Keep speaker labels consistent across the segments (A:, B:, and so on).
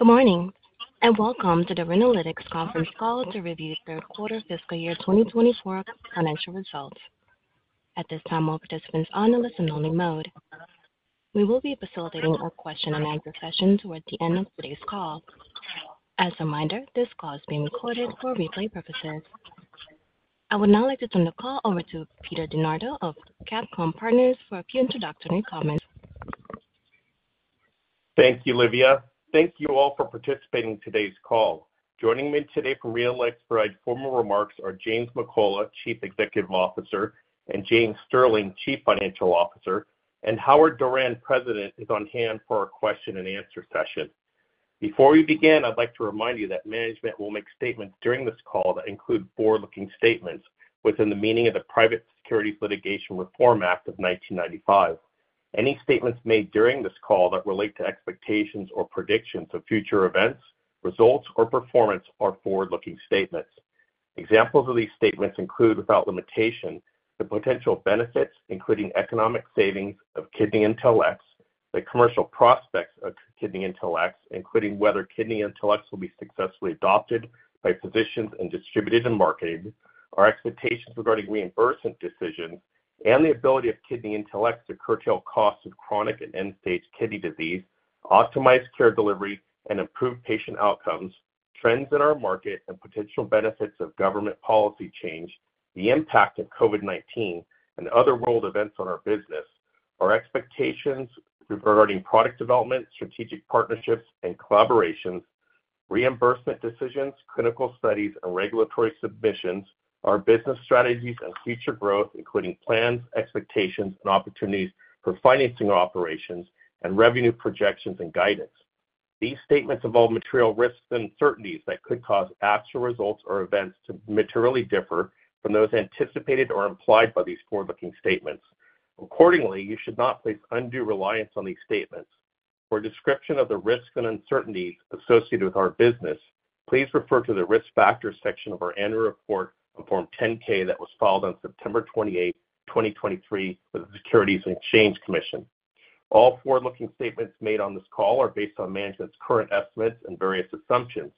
A: Good morning, and welcome to the Renalytix conference call to review third quarter fiscal year 2024 financial results. At this time, all participants are on a listen-only mode. We will be facilitating our question and answer session towards the end of today's call. As a reminder, this call is being recorded for replay purposes. I would now like to turn the call over to Peter DeNardo of CapComm Partners for a few introductory comments.
B: Thank you, Livia. Thank you all for participating in today's call. Joining me today from Renalytix for our formal remarks are James McCullough, Chief Executive Officer, and O. James Sterling, Chief Financial Officer, and Howard Doran, President, is on hand for our question and answer session. Before we begin, I'd like to remind you that management will make statements during this call that include forward-looking statements within the meaning of the Private Securities Litigation Reform Act of 1995. Any statements made during this call that relate to expectations or predictions of future events, results or performance are forward-looking statements. Examples of these statements include, without limitation, the potential benefits, including economic savings of KidneyIntelX, the commercial prospects of KidneyIntelX, including whether KidneyIntelX will be successfully adopted by physicians and distributors and marketed, our expectations regarding reimbursement decisions and the ability of KidneyIntelX to curtail costs of chronic and end-stage kidney disease, optimize care delivery and improve patient outcomes, trends in our market and potential benefits of government policy change, the impact of COVID-19 and other world events on our business, our expectations regarding product development, strategic partnerships and collaborations, reimbursement decisions, clinical studies and regulatory submissions, our business strategies and future growth, including plans, expectations and opportunities for financing operations and revenue projections and guidance. These statements involve material risks and uncertainties that could cause actual results or events to materially differ from those anticipated or implied by these forward-looking statements. Accordingly, you should not place undue reliance on these statements. For a description of the risks and uncertainties associated with our business, please refer to the Risk Factors section of our annual report on Form 10-K that was filed on September 28, 2023, with the Securities and Exchange Commission. All forward-looking statements made on this call are based on management's current estimates and various assumptions.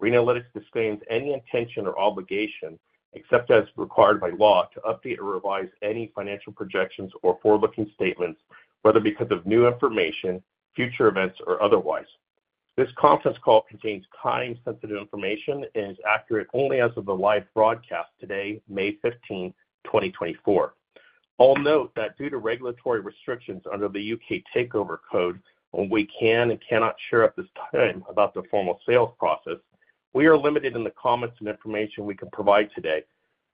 B: Renalytix disclaims any intention or obligation, except as required by law, to update or revise any financial projections or forward-looking statements, whether because of new information, future events, or otherwise. This conference call contains time-sensitive information and is accurate only as of the live broadcast today, May 15th, 2024. I'll note that due to regulatory restrictions under the U.K. Takeover Code, when we can and cannot share at this time about the formal sales process, we are limited in the comments and information we can provide today.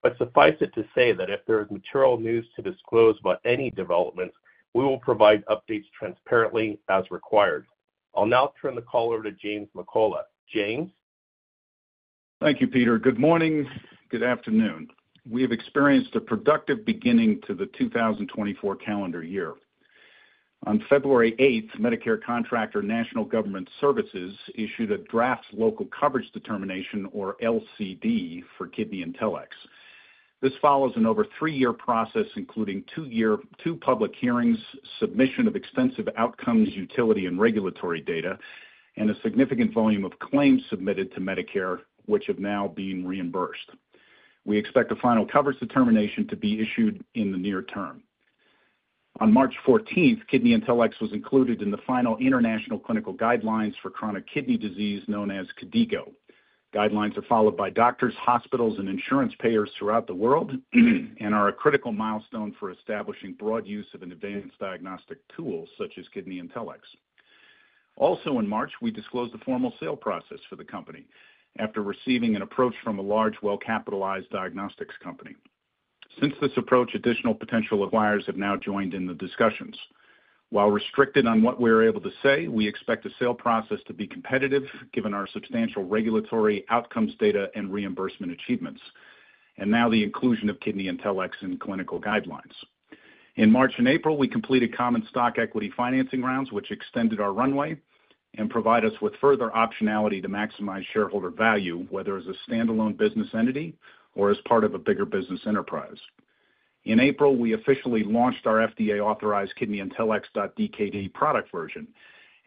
B: But suffice it to say that if there is material news to disclose about any developments, we will provide updates transparently as required. I'll now turn the call over to James McCullough. James?
C: Thank you, Peter. Good morning. Good afternoon. We have experienced a productive beginning to the 2024 calendar year. On February 8, Medicare contractor, National Government Services, issued a draft Local Coverage Determination, or LCD, for KidneyIntelX. This follows an over three-year process, including two-year, two public hearings, submission of extensive outcomes, utility and regulatory data, and a significant volume of claims submitted to Medicare, which have now been reimbursed. We expect a final coverage determination to be issued in the near term. On March 14, KidneyIntelX was included in the final International Clinical Guidelines for Chronic Kidney Disease, known as KDIGO. Guidelines are followed by doctors, hospitals, and insurance payers throughout the world and are a critical milestone for establishing broad use of an advanced diagnostic tool, such as KidneyIntelX. Also in March, we disclosed the formal sale process for the company after receiving an approach from a large, well-capitalized diagnostics company. Since this approach, additional potential acquirers have now joined in the discussions. While restricted on what we're able to say, we expect the sale process to be competitive, given our substantial regulatory outcomes, data and reimbursement achievements, and now the inclusion of KidneyIntelX in clinical guidelines. In March and April, we completed common stock equity financing rounds, which extended our runway and provide us with further optionality to maximize shareholder value, whether as a standalone business entity or as part of a bigger business enterprise. In April, we officially launched our FDA-authorized KidneyIntelX.dkd product version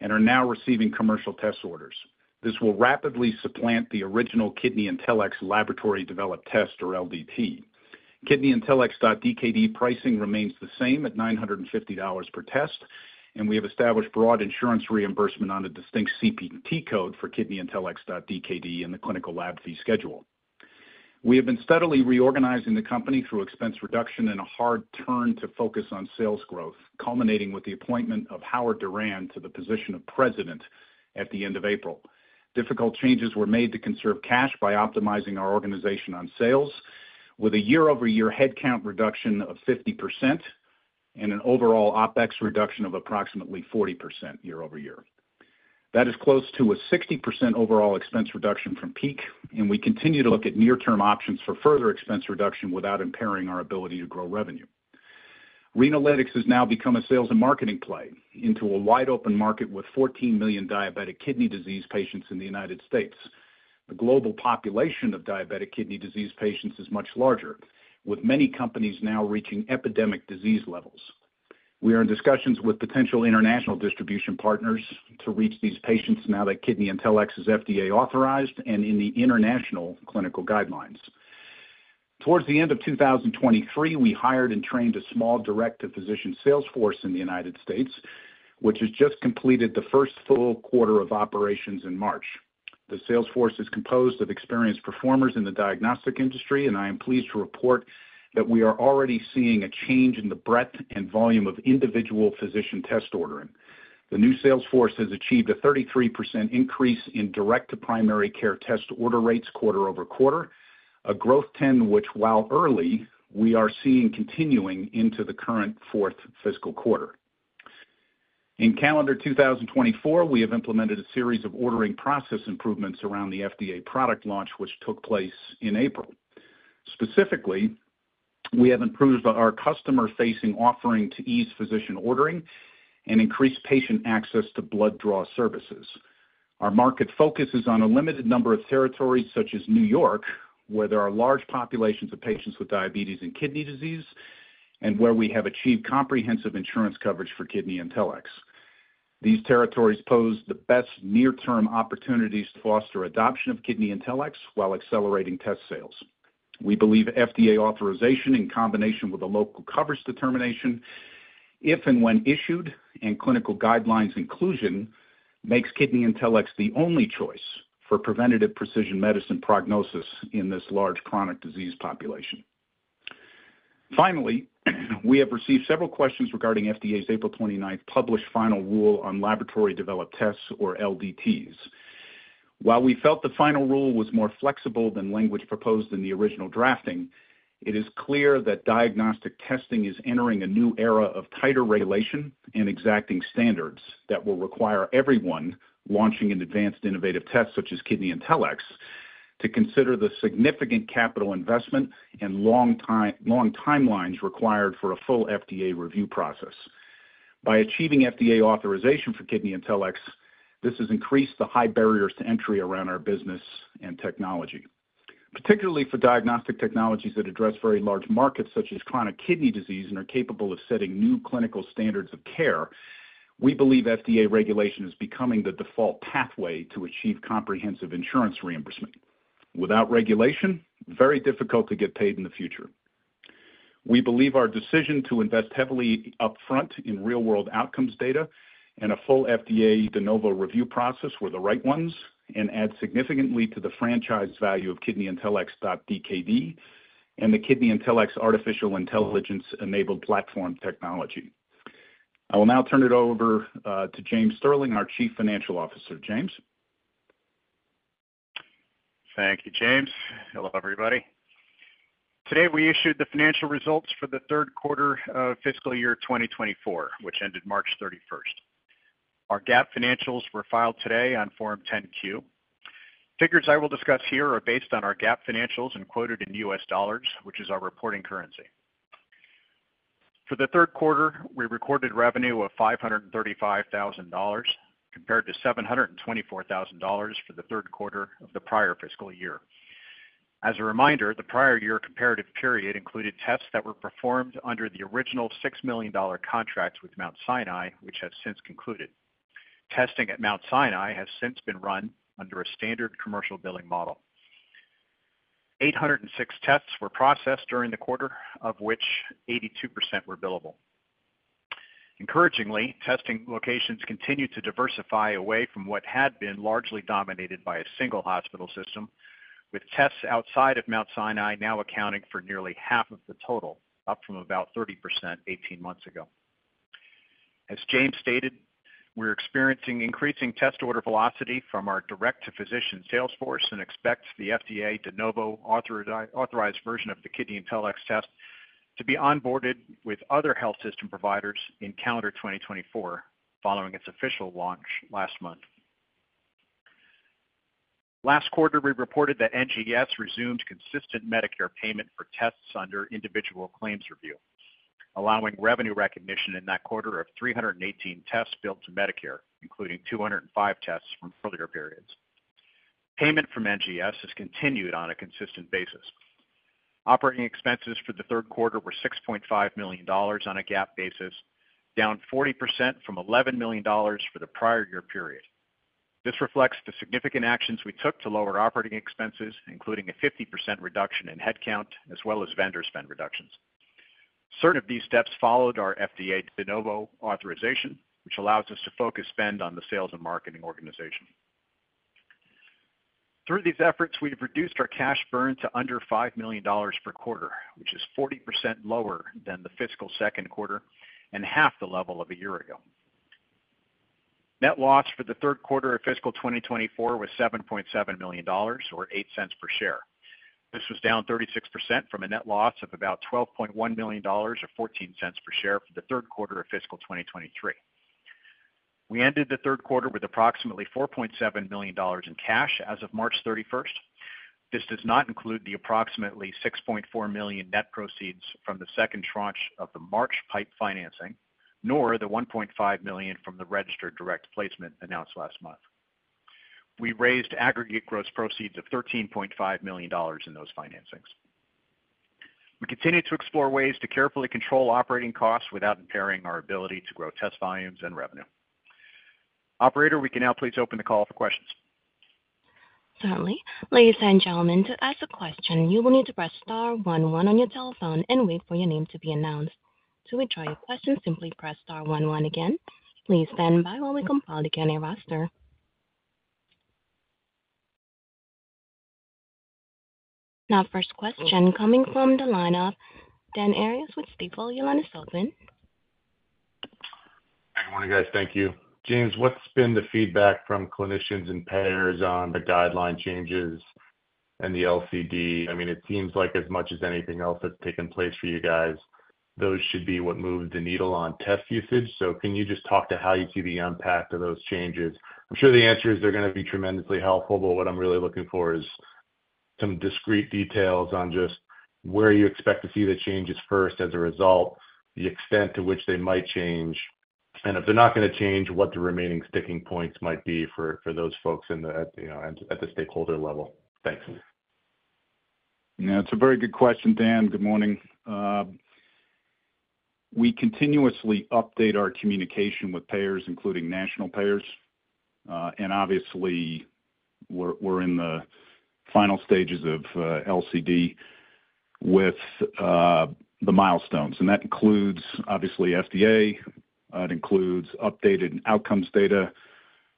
C: and are now receiving commercial test orders. This will rapidly supplant the original KidneyIntelX Laboratory Developed Test, or LDT. KidneyIntelX.dkd pricing remains the same at $950 per test, and we have established broad insurance reimbursement on a distinct CPT code for KidneyIntelX.dkd in the Clinical Lab Fee Schedule. We have been steadily reorganizing the company through expense reduction and a hard turn to focus on sales growth, culminating with the appointment of Howard Doran to the position of president at the end of April. Difficult changes were made to conserve cash by optimizing our organization on sales, with a year-over-year headcount reduction of 50% and an overall OpEx reduction of approximately 40% year-over-year. That is close to a 60% overall expense reduction from peak, and we continue to look at near-term options for further expense reduction without impairing our ability to grow revenue. Renalytix has now become a sales and marketing play into a wide open market with 14 million diabetic kidney disease patients in the United States. The global population of diabetic kidney disease patients is much larger, with many companies now reaching epidemic disease levels. We are in discussions with potential international distribution partners to reach these patients now that KidneyIntelX is FDA authorized and in the international clinical guidelines. Towards the end of 2023, we hired and trained a small direct-to-physician sales force in the United States, which has just completed the first full-quarter of operations in March. The sales force is composed of experienced performers in the diagnostic industry, and I am pleased to report that we are already seeing a change in the breadth and volume of individual physician test ordering. The new sales force has achieved a 33% increase in direct-to-primary care test order rates quarter-over-quarter, a growth trend, which, while early, we are seeing continuing into the current fourth fiscal quarter. In calendar 2024, we have implemented a series of ordering process improvements around the FDA product launch, which took place in April. Specifically, we have improved our customer-facing offering to ease physician ordering and increase patient access to blood draw services. Our market focus is on a limited number of territories, such as New York, where there are large populations of patients with diabetes and kidney disease, and where we have achieved comprehensive insurance coverage for KidneyIntelX. These territories pose the best near-term opportunities to foster adoption of KidneyIntelX while accelerating test sales. We believe FDA authorization, in combination with a Local Coverage Determination, if and when issued, and clinical guidelines inclusion, makes KidneyIntelX the only choice for preventative precision medicine prognosis in this large chronic disease population. Finally, we have received several questions regarding FDA's April 29 published final rule on laboratory developed tests, or LDTs. While we felt the final rule was more flexible than language proposed in the original drafting, it is clear that diagnostic testing is entering a new era of tighter regulation and exacting standards that will require everyone launching an advanced innovative test, such as KidneyIntelX, to consider the significant capital investment and long timelines required for a full FDA review process. By achieving FDA authorization for KidneyIntelX, this has increased the high barriers to entry around our business and technology. Particularly for diagnostic technologies that address very large markets, such as chronic kidney disease, and are capable of setting new clinical standards of care, we believe FDA regulation is becoming the default pathway to achieve comprehensive insurance reimbursement. Without regulation, very difficult to get paid in the future. We believe our decision to invest heavily upfront in real-world outcomes data and a full FDA De Novo review process were the right ones and add significantly to the franchise value of KidneyIntelX.dkd and the KidneyIntelX artificial intelligence-enabled platform technology. I will now turn it over to James Sterling, our Chief Financial Officer. James?
D: Thank you, James. Hello, everybody. Today, we issued the financial results for the third quarter of fiscal year 2024, which ended March 31. Our GAAP financials were filed today on Form 10-Q. Figures I will discuss here are based on our GAAP financials and quoted in US dollars, which is our reporting currency. For the third quarter, we recorded revenue of $535,000, compared to $724,000 for the third quarter of the prior fiscal year. As a reminder, the prior-year comparative period included tests that were performed under the original $6 million contract with Mount Sinai, which has since concluded. Testing at Mount Sinai has since been run under a standard commercial billing model. 806 tests were processed during the quarter, of which 82% were billable. Encouragingly, testing locations continued to diversify away from what had been largely dominated by a single hospital system, with tests outside of Mount Sinai now accounting for nearly half of the total, up from about 30% 18 months ago. As James stated, we're experiencing increasing test order velocity from our direct-to-physician sales force and expects the FDA De Novo authorized version of the KidneyIntelX test to be onboarded with other health system providers in calendar 2024, following its official launch last month. Last quarter, we reported that NGS resumed consistent Medicare payment for tests under individual claims review, allowing revenue recognition in that quarter of 318 tests billed to Medicare, including 205 tests from further periods. Payment from NGS has continued on a consistent basis. Operating expenses for the third quarter were $6.5 million on a GAAP basis, down 40% from $11 million for the prior-year period. This reflects the significant actions we took to lower operating expenses, including a 50% reduction in headcount, as well as vendor spend reductions. Certain of these steps followed our FDA De Novo authorization, which allows us to focus spend on the sales and marketing organization. Through these efforts, we've reduced our cash burn to under $5 million per quarter, which is 40% lower than the fiscal second quarter and half the level of a year ago. Net loss for the third quarter of fiscal 2024 was $7.7 million, or $0.08 per share. This was down 36% from a net loss of about $12.1 million, or 14 cents per share, for the third quarter of fiscal 2023. We ended the third quarter with approximately $4.7 million in cash as of March 31. This does not include the approximately $6.4 million net proceeds from the second tranche of the March PIPE financing, nor the $1.5 million from the registered direct placement announced last month. ... We raised aggregate gross proceeds of $13.5 million in those financings. We continue to explore ways to carefully control operating costs without impairing our ability to grow test volumes and revenue. Operator, we can now please open the call for questions.
A: Certainly. Ladies and gentlemen, to ask a question, you will need to press star one one on your telephone and wait for your name to be announced. To withdraw your question, simply press star one one again. Please stand by while we compile the Q&A roster. Now, first question coming from the line of Dan Arias with Stifel, your line is open.
E: Good morning, guys. Thank you. James, what's been the feedback from clinicians and payers on the guideline changes and the LCD? I mean, it seems like as much as anything else that's taken place for you guys, those should be what moved the needle on test usage. So can you just talk to how you see the impact of those changes? I'm sure the answer is they're gonna be tremendously helpful, but what I'm really looking for is some discrete details on just where you expect to see the changes first as a result, the extent to which they might change, and if they're not gonna change, what the remaining sticking points might be for those folks in the, at, you know, at the stakeholder level. Thanks.
C: Yeah, it's a very good question, Dan. Good morning. We continuously update our communication with payers, including national payers, and obviously, we're in the final stages of LCD with the milestones, and that includes, obviously, FDA, it includes updated outcomes data,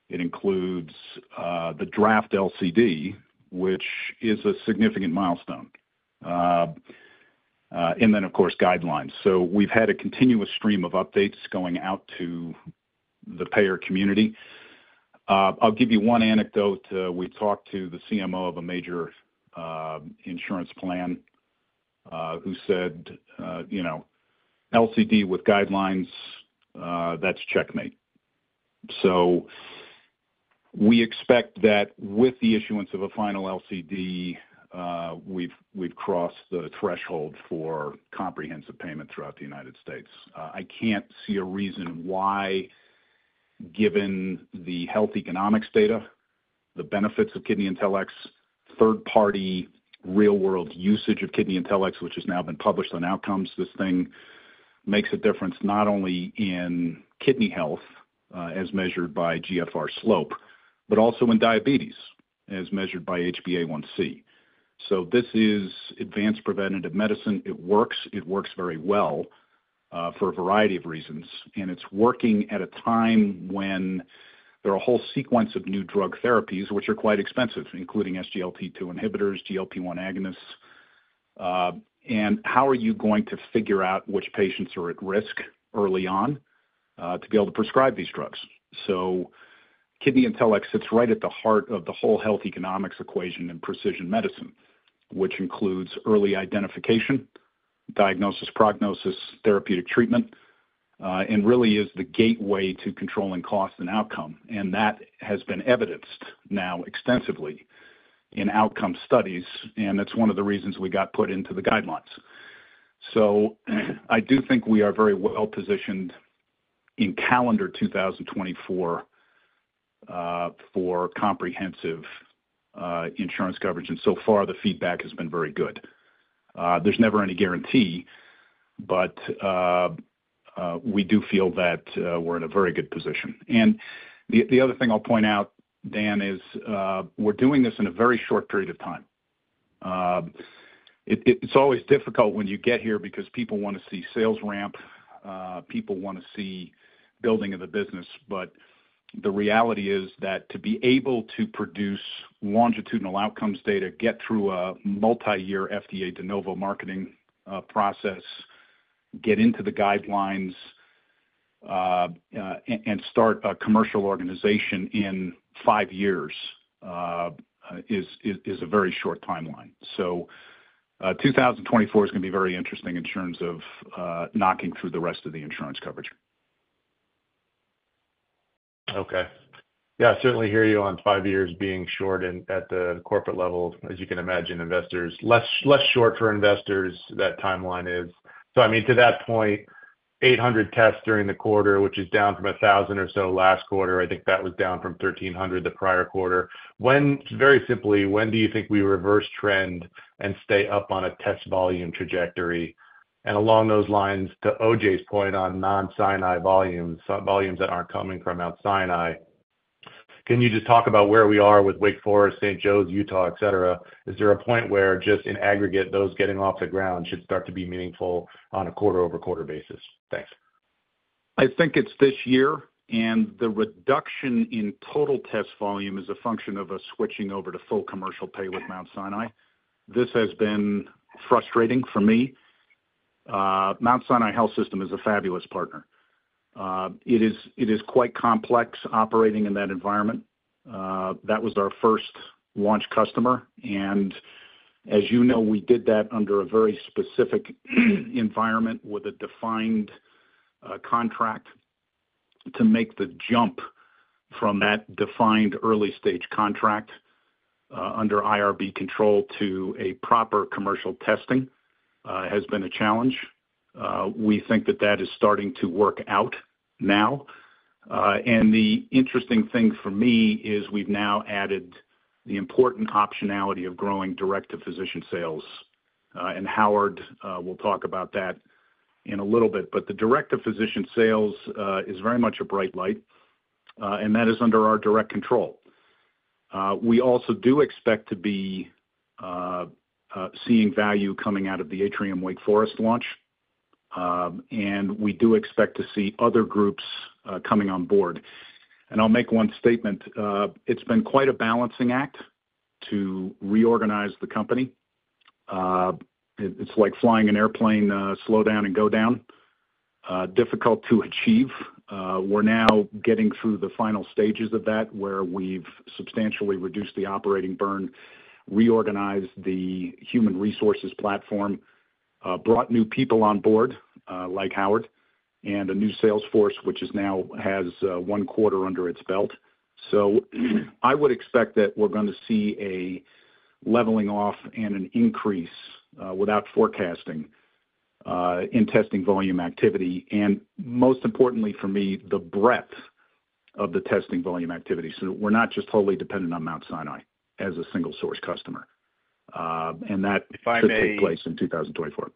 C: it includes the draft LCD, which is a significant milestone. And then, of course, guidelines. So we've had a continuous stream of updates going out to the payer community. I'll give you one anecdote. We talked to the CMO of a major insurance plan, who said, "You know, LCD with guidelines, that's checkmate." So we expect that with the issuance of a final LCD, we've crossed the threshold for comprehensive payment throughout the United States. I can't see a reason why, given the health economics data, the benefits of KidneyIntelX, third-party real-world usage of KidneyIntelX, which has now been published on outcomes, this thing makes a difference not only in kidney health, as measured by GFR slope, but also in diabetes, as measured by HbA1c. So this is advanced preventative medicine. It works, it works very well, for a variety of reasons, and it's working at a time when there are a whole sequence of new drug therapies, which are quite expensive, including SGLT2 inhibitors, GLP-1 agonists. And how are you going to figure out which patients are at risk early on, to be able to prescribe these drugs? So KidneyIntelX sits right at the heart of the whole health economics equation in precision medicine, which includes early identification, diagnosis, prognosis, therapeutic treatment, and really is the gateway to controlling cost and outcome. And that has been evidenced now extensively in outcome studies, and that's one of the reasons we got put into the guidelines. So I do think we are very well positioned in calendar 2024 for comprehensive insurance coverage, and so far, the feedback has been very good. There's never any guarantee, but we do feel that we're in a very good position. And the other thing I'll point out, Dan, is we're doing this in a very short period of time. It's always difficult when you get here because people want to see sales ramp, people want to see building of the business, but the reality is that to be able to produce longitudinal outcomes data, get through a multiyear FDA De Novo marketing process, get into the guidelines, and start a commercial organization in five years is a very short timeline. So, 2024 is gonna be very interesting in terms of knocking through the rest of the insurance coverage.
E: Okay. Yeah, I certainly hear you on five years being short and at the corporate level, as you can imagine, investors, less, less short for investors, that timeline is. So I mean, to that point, 800 tests during the quarter, which is down from 1,000 or so last quarter, I think that was down from 1,300 the prior quarter. Very simply, when do you think we reverse trend and stay up on a test volume trajectory? And along those lines, to O.J.'s point on non-Sinai volumes, so volumes that aren't coming from Mount Sinai, can you just talk about where we are with Wake Forest, St. Joe's, Utah, et cetera? Is there a point where, just in aggregate, those getting off the ground should start to be meaningful on a quarter-over-quarter basis? Thanks.
C: I think it's this year, and the reduction in total test volume is a function of us switching over to full commercial pay with Mount Sinai. This has been frustrating for me. Mount Sinai Health System is a fabulous partner. It is quite complex operating in that environment. That was our first launch customer, and as you know, we did that under a very specific environment with a defined contract. To make the jump from that defined early stage contract under IRB control to a proper commercial testing has been a challenge. We think that that is starting to work out now. And the interesting thing for me is we've now added the important optionality of growing direct-to-physician sales, and Howard will talk about that in a little bit. But the direct-to-physician sales is very much a bright light, and that is under our direct control. We also do expect to be seeing value coming out of the Atrium Wake Forest launch, and we do expect to see other groups coming on board. I'll make one statement. It's been quite a balancing act to reorganize the company. It's like flying an airplane, slow down and go down, difficult to achieve. We're now getting through the final stages of that, where we've substantially reduced the operating burn, reorganized the human resources platform, brought new people on board, like Howard, and a new sales force, which is now has one quarter under its belt. So I would expect that we're going to see a leveling off and an increase, without forecasting, in testing volume activity, and most importantly for me, the breadth of the testing volume activity. So we're not just totally dependent on Mount Sinai as a single source customer, and that-
D: If I may-
C: should take place in 2024.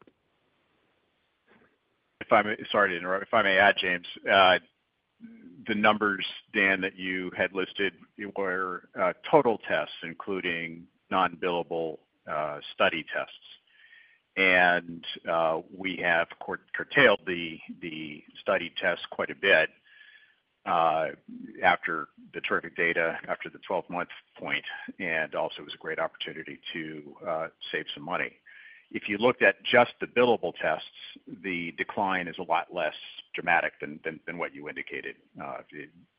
D: If I may... Sorry to interrupt. If I may add, James, the numbers, Dan, that you had listed were total tests, including non-billable study tests. And we have curtailed the study tests quite a bit after the terrific data, after the 12-month point, and also it was a great opportunity to save some money. If you looked at just the billable tests, the decline is a lot less dramatic than what you indicated,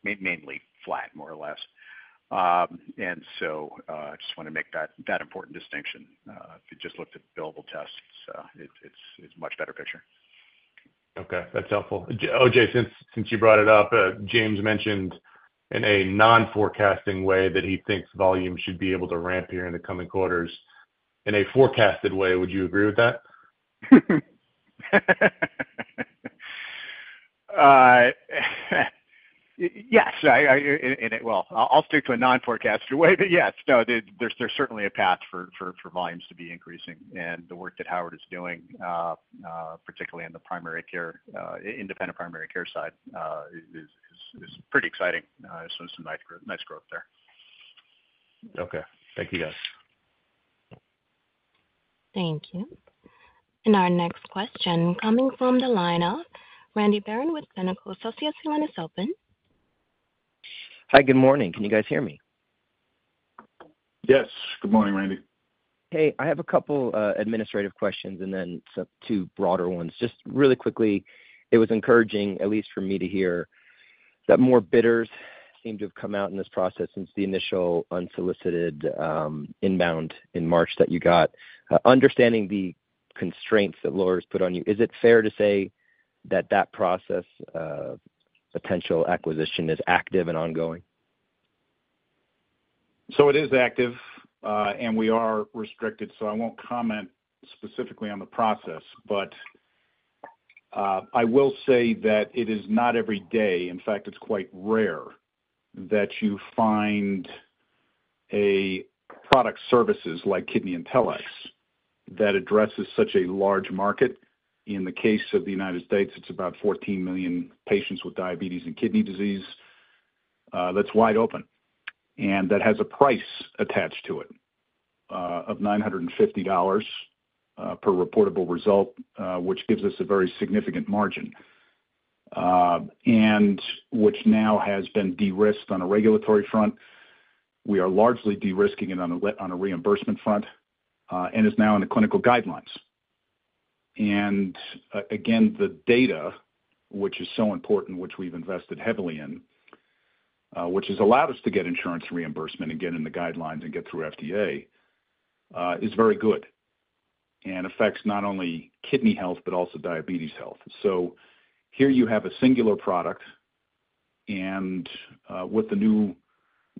D: mainly flat, more or less. And so I just want to make that important distinction. If you just looked at billable tests, it's much better picture.
E: Okay, that's helpful. O.J., since you brought it up, James mentioned in a non-forecasting way that he thinks volume should be able to ramp here in the coming quarters. In a forecasted way, would you agree with that?
D: Yes, well, I'll stick to a non-forecast way, but yes. No, there's certainly a path for volumes to be increasing. And the work that Howard is doing, particularly in the primary care, independent primary care side, is pretty exciting. So some nice growth there.
E: Okay. Thank you, guys.
A: Thank you. Our next question coming from the line of Randy Baron with Pinnacle Associates. Your line is open.
F: Hi, good morning. Can you guys hear me?
C: Yes. Good morning, Randy.
F: Hey, I have a couple administrative questions and then some two broader ones. Just really quickly, it was encouraging, at least for me, to hear that more bidders seem to have come out in this process since the initial unsolicited, inbound in March that you got. Understanding the constraints that lawyers put on you, is it fair to say that that process of potential acquisition is active and ongoing?
C: So it is active, and we are restricted, so I won't comment specifically on the process. But, I will say that it is not every day, in fact, it's quite rare, that you find a product services like KidneyIntelX that addresses such a large market. In the case of the United States, it's about 14 million patients with diabetes and kidney disease, that's wide open, and that has a price attached to it, of $950 per reportable result, which gives us a very significant margin. And which now has been de-risked on a regulatory front. We are largely de-risking it on a reimbursement front, and is now in the clinical guidelines. And again, the data, which is so important, which we've invested heavily in, which has allowed us to get insurance reimbursement and get in the guidelines and get through FDA, is very good, and affects not only kidney health, but also diabetes health. So here you have a singular product and, with the new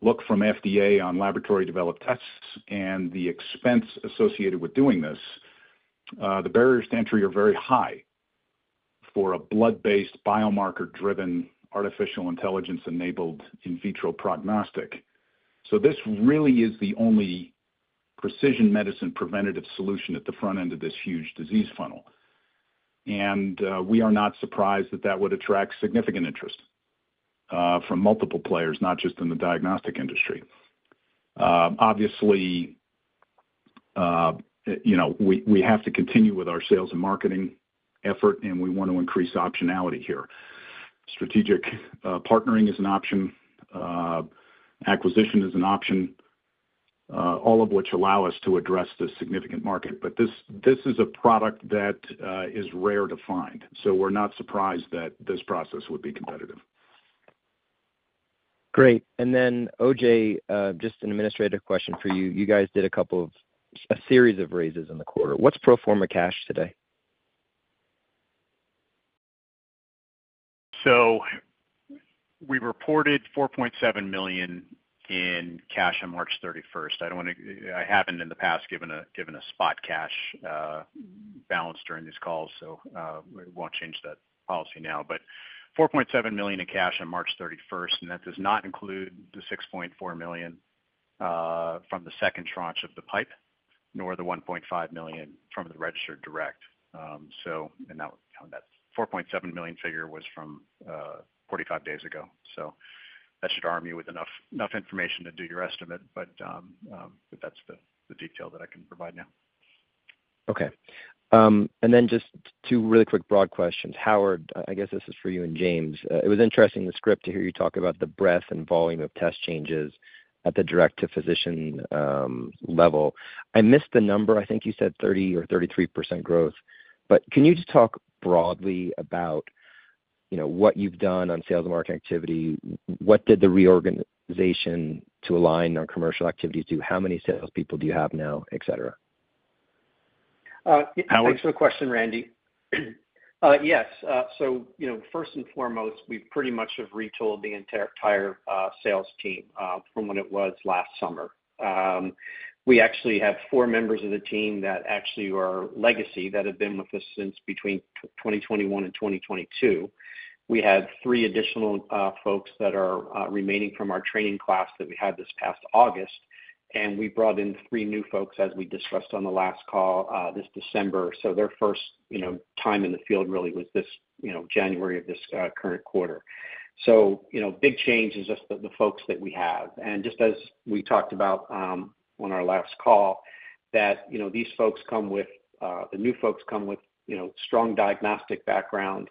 C: look from FDA on laboratory-developed tests and the expense associated with doing this, the barriers to entry are very high for a blood-based, biomarker-driven, artificial intelligence-enabled in vitro prognostic. So this really is the only precision medicine preventative solution at the front end of this huge disease funnel. And, we are not surprised that that would attract significant interest, from multiple players, not just in the diagnostic industry. Obviously, you know, we have to continue with our sales and marketing effort, and we want to increase optionality here. Strategic partnering is an option, acquisition is an option, all of which allow us to address this significant market. But this is a product that is rare to find, so we're not surprised that this process would be competitive.
F: Great. And then, O.J., just an administrative question for you. You guys did a couple of, a series of raises in the quarter. What's pro forma cash today?...
D: So we reported $4.7 million in cash on March 31. I don't wanna. I haven't in the past given a spot cash balance during these calls, so we won't change that policy now. But $4.7 million in cash on March 31, and that does not include the $6.4 million from the second tranche of the PIPE, nor the $1.5 million from the registered direct. So that $4.7 million figure was from 45 days ago. So that should arm you with enough information to do your estimate. But that's the detail that I can provide now.
F: Okay. And then just two really quick broad questions. Howard, I guess this is for you and James. It was interesting in the script to hear you talk about the breadth and volume of test changes at the direct to physician level. I missed the number. I think you said 30 or 33% growth, but can you just talk broadly about, you know, what you've done on sales and marketing activity? What did the reorganization to align our commercial activities do? How many salespeople do you have now, et cetera?
G: Thanks for the question, Randy. Yes. So, you know, first and foremost, we pretty much have retooled the entire sales team from what it was last summer. We actually have four members of the team that actually are legacy, that have been with us since between 2021 and 2022. We had three additional folks that are remaining from our training class that we had this past August, and we brought in three new folks, as we discussed on the last call, this December. So their first, you know, time in the field really was this, you know, January of this current quarter. So, you know, big change is just the folks that we have. Just as we talked about on our last call, that, you know, these folks come with the new folks come with, you know, strong diagnostic background.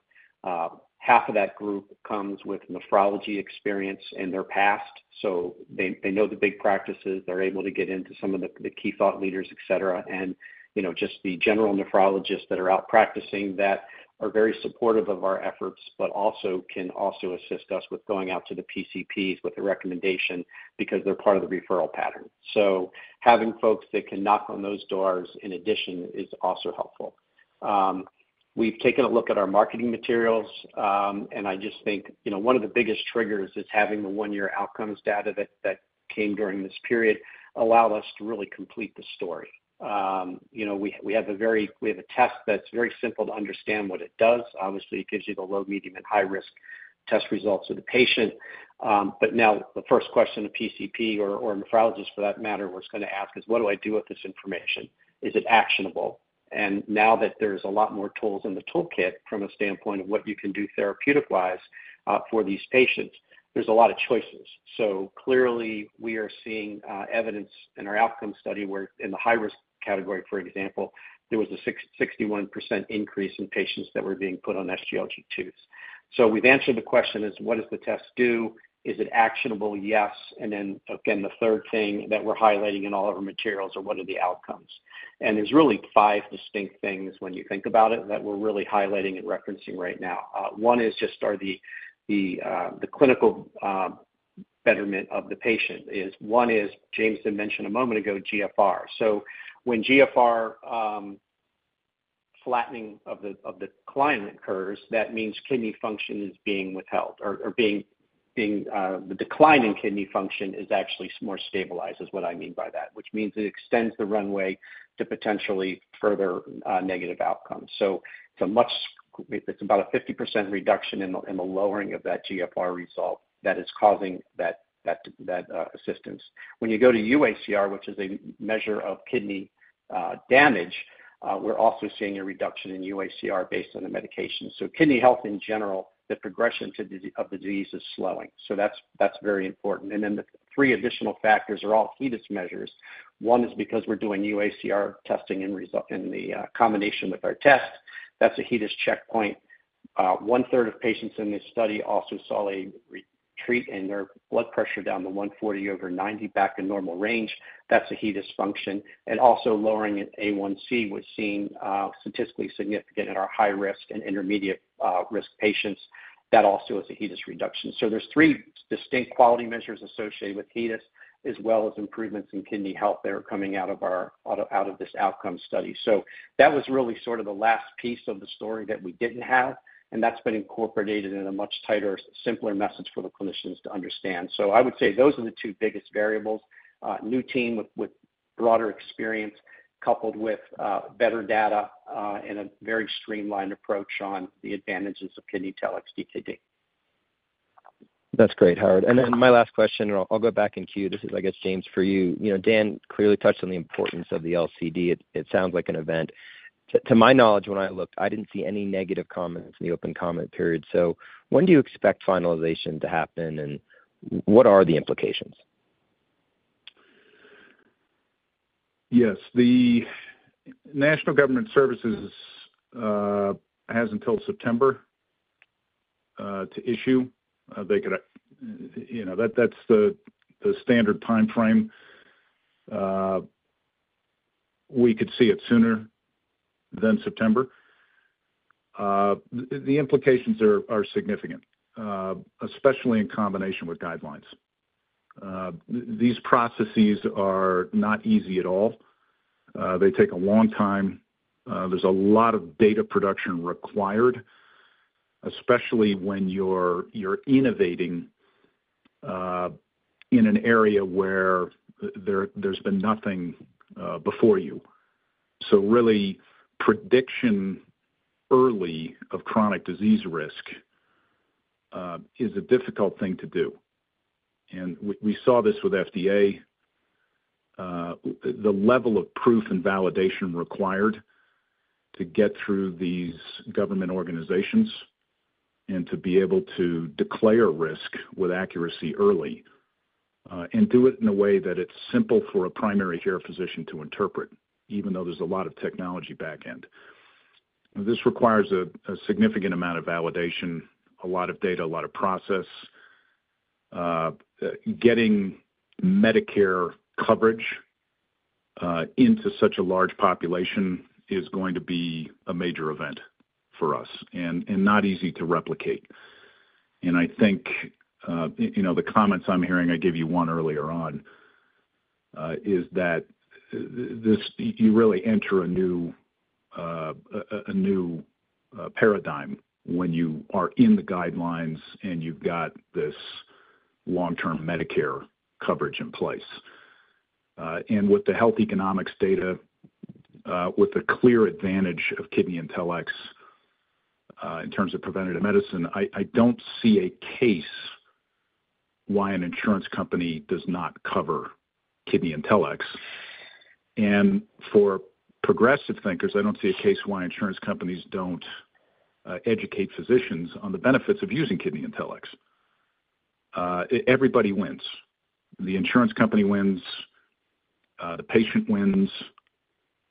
G: Half of that group comes with nephrology experience in their past, so they know the big practices. They're able to get into some of the key thought leaders, et cetera, and, you know, just the general nephrologists that are out practicing that are very supportive of our efforts, but also can assist us with going out to the PCPs with the recommendation because they're part of the referral pattern. So having folks that can knock on those doors in addition is also helpful. We've taken a look at our marketing materials, and I just think, you know, one of the biggest triggers is having the one-year outcomes data that came during this period allow us to really complete the story. You know, we have a test that's very simple to understand what it does. Obviously, it gives you the low, medium, and high risk test results of the patient. But now the first question, the PCP or nephrologist for that matter, was gonna ask is: What do I do with this information? Is it actionable? And now that there's a lot more tools in the toolkit from a standpoint of what you can do therapeutic-wise, for these patients, there's a lot of choices. So clearly, we are seeing evidence in our outcome study where in the high risk category, for example, there was a 61% increase in patients that were being put on SGLT2s. So we've answered the question is: What does the test do? Is it actionable? Yes. And then again, the third thing that we're highlighting in all of our materials are what are the outcomes? And there's really five distinct things when you think about it, that we're really highlighting and referencing right now. One is just are the, the, the clinical betterment of the patient is. One is, James had mentioned a moment ago, GFR. So when GFR flattening of the decline occurs, that means kidney function is being withheld or, or being, the decline in kidney function is actually more stabilized, is what I mean by that. Which means it extends the runway to potentially further negative outcomes. So it's much- it's about a 50% reduction in the lowering of that GFR result that is causing that assistance. When you go to UACR, which is a measure of kidney damage, we're also seeing a reduction in UACR based on the medication. So kidney health in general, the progression of disease is slowing. So that's very important. And then the three additional factors are all HEDIS measures. One is because we're doing UACR testing and result in the combination with our test. That's a HEDIS checkpoint. One-third of patients in this study also saw a retreat in their blood pressure down to 140 over 90, back to normal range. That's a HEDIS function. And also lowering A1C was seen, statistically significant in our high risk and intermediate, risk patients. That also is a HEDIS reduction. So there's three distinct quality measures associated with HEDIS, as well as improvements in kidney health that are coming out of our, out of, this outcome study. So that was really sort of the last piece of the story that we didn't have, and that's been incorporated in a much tighter, simpler message for the clinicians to understand. So I would say those are the two biggest variables: new team with, with broader experience, coupled with, better data, and a very streamlined approach on the advantages of KidneyIntelX.dkd.
F: That's great, Howard. And then my last question, and I'll go back in queue. This is, I guess, James, for you. You know, Dan clearly touched on the importance of the LCD. It sounds like an event. To my knowledge, when I looked, I didn't see any negative comments in the open comment period. So when do you expect finalization to happen, and what are the implications?
C: Yes, the National Government Services has until September to issue. They could, you know, that's the standard timeframe. We could see it sooner than September. The implications are significant, especially in combination with guidelines.... These processes are not easy at all. They take a long time. There's a lot of data production required, especially when you're innovating in an area where there's been nothing before you. So really, prediction early of chronic disease risk is a difficult thing to do. And we saw this with FDA, the level of proof and validation required to get through these government organizations and to be able to declare risk with accuracy early, and do it in a way that it's simple for a primary care physician to interpret, even though there's a lot of technology back end. This requires a significant amount of validation, a lot of data, a lot of process. Getting Medicare coverage into such a large population is going to be a major event for us, and, and not easy to replicate. And I think, you know, the comments I'm hearing, I gave you one earlier on, is that this you really enter a new, a new paradigm when you are in the guidelines and you've got this long-term Medicare coverage in place. And with the health economics data, with the clear advantage of KidneyIntelX in terms of preventative medicine, I don't see a case why an insurance company does not cover KidneyIntelX. And for progressive thinkers, I don't see a case why insurance companies don't educate physicians on the benefits of using KidneyIntelX. Everybody wins. The insurance company wins, the patient wins,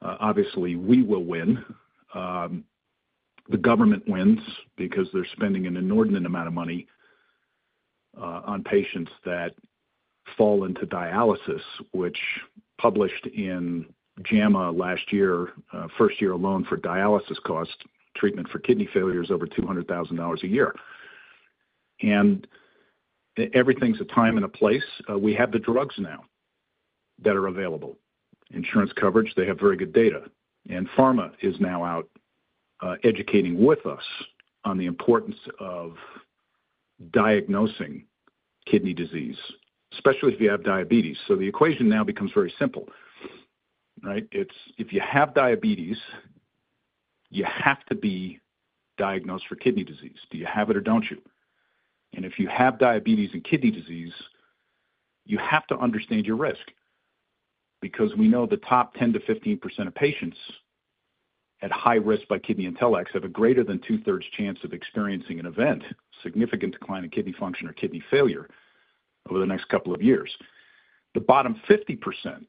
C: obviously, we will win. The government wins because they're spending an inordinate amount of money on patients that fall into dialysis, which published in JAMA last year. First year alone for dialysis cost, treatment for kidney failure is over $200,000 a year. And everything's a time and a place. We have the drugs now that are available. Insurance coverage, they have very good data, and pharma is now out educating with us on the importance of diagnosing kidney disease, especially if you have diabetes. So the equation now becomes very simple, right? It's if you have diabetes, you have to be diagnosed for kidney disease. Do you have it or don't you? If you have diabetes and kidney disease, you have to understand your risk, because we know the top 10%-15% of patients at high risk by KidneyIntelX have a greater than two-thirds chance of experiencing an event, significant decline in kidney function or kidney failure, over the next couple of years. The bottom 50%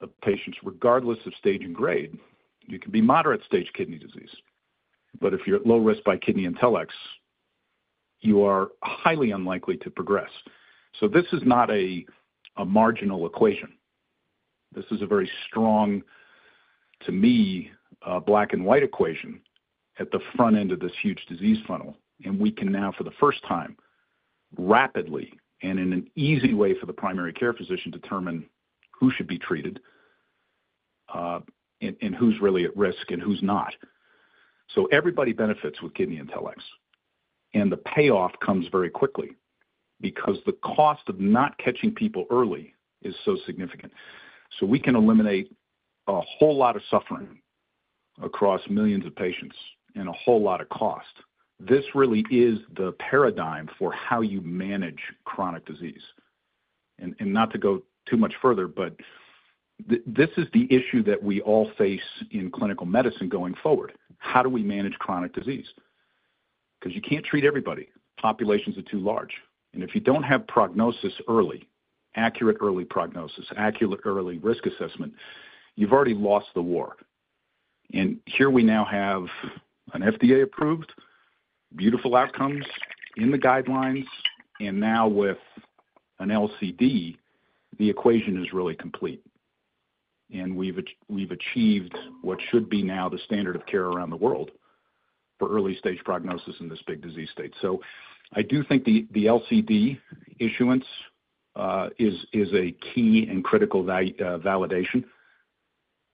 C: of patients, regardless of stage and grade, you can be moderate stage kidney disease, but if you're at low risk by KidneyIntelX, you are highly unlikely to progress. So this is not a marginal equation. This is a very strong, to me, black and white equation at the front end of this huge disease funnel. And we can now, for the first time, rapidly and in an easy way for the primary care physician, determine who should be treated, and who's really at risk and who's not. So everybody benefits with KidneyIntelX, and the payoff comes very quickly because the cost of not catching people early is so significant. So we can eliminate a whole lot of suffering across millions of patients and a whole lot of cost. This really is the paradigm for how you manage chronic disease. And not to go too much further, but this is the issue that we all face in clinical medicine going forward: How do we manage chronic disease? Because you can't treat everybody. Populations are too large, and if you don't have prognosis early, accurate early prognosis, accurate early risk assessment, you've already lost the war. Here we now have an FDA-approved, beautiful outcomes in the guidelines, and now with an LCD, the equation is really complete. And we've achieved what should be now the standard of care around the world for early stage prognosis in this big disease state. So I do think the LCD issuance is a key and critical validation,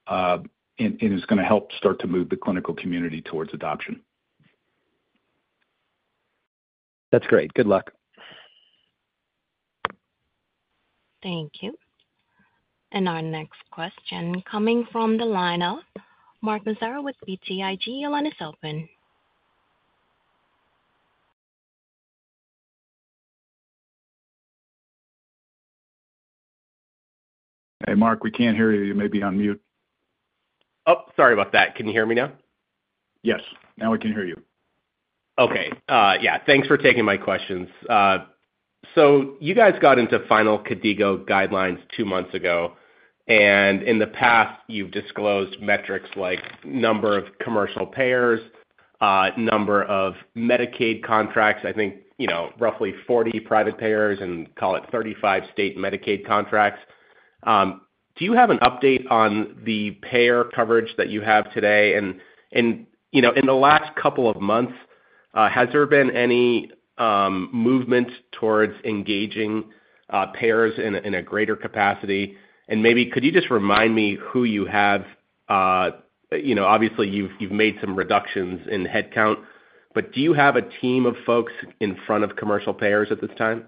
C: and is gonna help start to move the clinical community towards adoption.
F: That's great. Good luck.
A: Thank you. Our next question coming from the line of Mark Massaro with BTIG. Your line is open.
C: Hey, Mark, we can't hear you. You may be on mute.
H: Oh, sorry about that. Can you hear me now?
C: Yes, now we can hear you.
H: Okay, yeah, thanks for taking my questions. So you guys got into final KDIGO guidelines two months ago, and in the past, you've disclosed metrics like number of commercial payers, number of Medicaid contracts, I think, you know, roughly 40 private payers and call it 35 state Medicaid contracts. Do you have an update on the payer coverage that you have today? And, you know, in the last couple of months, has there been any movement towards engaging payers in a greater capacity? And maybe could you just remind me who you have, you know, obviously, you've made some reductions in headcount, but do you have a team of folks in front of commercial payers at this time?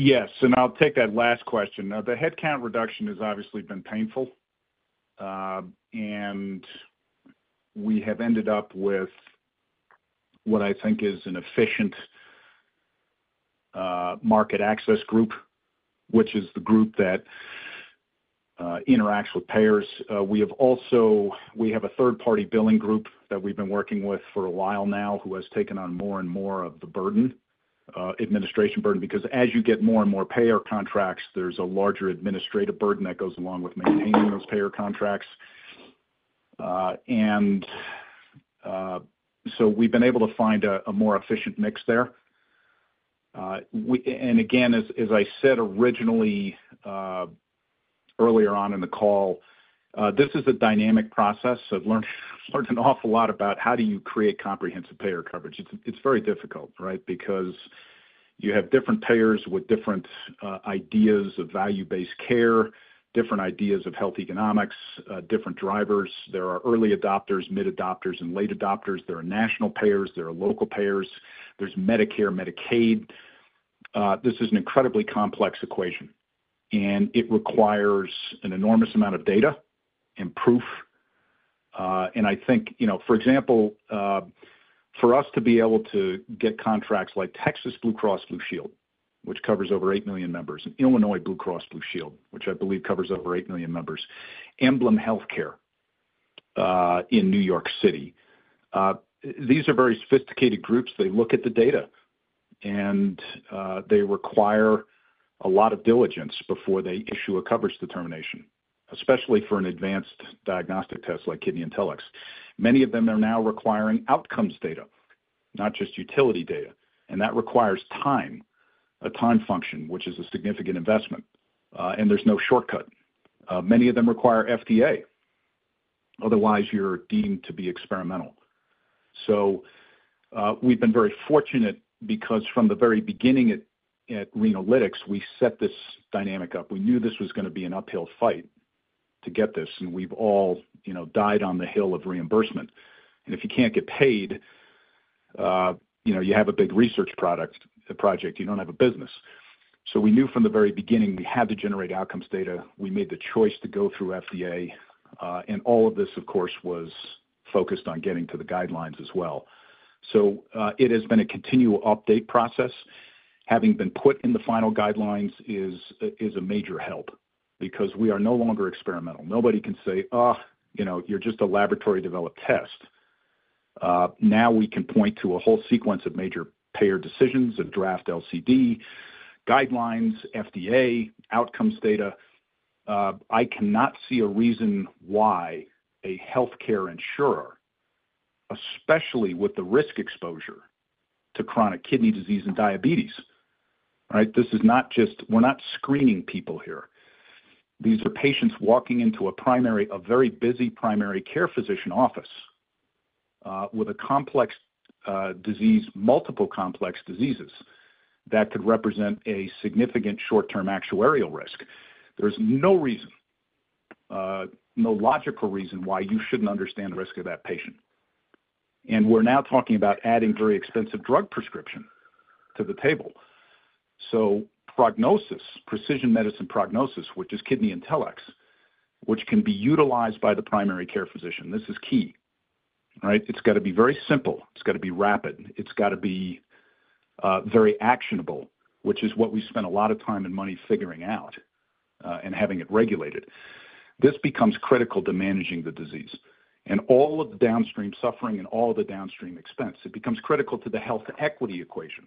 C: Yes, and I'll take that last question. Now, the headcount reduction has obviously been painful, and we have ended up with what I think is an efficient market access group, which is the group that interacts with payers. We also have a third-party billing group that we've been working with for a while now, who has taken on more and more of the burden, administration burden. Because as you get more and more payer contracts, there's a larger administrative burden that goes along with maintaining those payer contracts. And so we've been able to find a more efficient mix there. And again, as I said originally, earlier on in the call, this is a dynamic process. I've learned an awful lot about how do you create comprehensive payer coverage. It's very difficult, right? Because you have different payers with different ideas of value-based care, different ideas of health economics, different drivers. There are early adopters, mid adopters, and late adopters. There are national payers, there are local payers, there's Medicare, Medicaid. This is an incredibly complex equation, and it requires an enormous amount of data and proof. And I think, you know, for example, for us to be able to get contracts like Texas Blue Cross Blue Shield, which covers over 8 million members, and Illinois Blue Cross Blue Shield, which I believe covers over 8 million members, Emblem Healthcare in New York City, these are very sophisticated groups. They look at the data, and they require a lot of diligence before they issue a coverage determination, especially for an advanced diagnostic test like KidneyIntelX. Many of them are now requiring outcomes data, not just utility data, and that requires time, a time function, which is a significant investment, and there's no shortcut. Many of them require FDA, otherwise you're deemed to be experimental. So, we've been very fortunate because from the very beginning at, at Renalytix, we set this dynamic up. We knew this was gonna be an uphill fight to get this, and we've all, you know, died on the hill of reimbursement. And if you can't get paid, you know, you have a big research product, project, you don't have a business. So we knew from the very beginning, we had to generate outcomes data. We made the choice to go through FDA, and all of this, of course, was focused on getting to the guidelines as well. So, it has been a continual update process. Having been put in the final guidelines is a major help because we are no longer experimental. Nobody can say, "Ugh, you know, you're just a laboratory-developed test." Now we can point to a whole sequence of major payer decisions, a draft LCD, guidelines, FDA, outcomes data. I cannot see a reason why a healthcare insurer, especially with the risk exposure to chronic kidney disease and diabetes, right? This is not just... We're not screening people here. These are patients walking into a primary, a very busy primary care physician office, with a complex, disease, multiple complex diseases that could represent a significant short-term actuarial risk. There's no reason, no logical reason why you shouldn't understand the risk of that patient. And we're now talking about adding very expensive drug prescription to the table. So prognosis, precision medicine prognosis, which is KidneyIntelX, which can be utilized by the primary care physician, this is key, right? It's got to be very simple, it's got to be rapid, it's got to be very actionable, which is what we spent a lot of time and money figuring out, and having it regulated. This becomes critical to managing the disease and all of the downstream suffering and all the downstream expense; it becomes critical to the health equity equation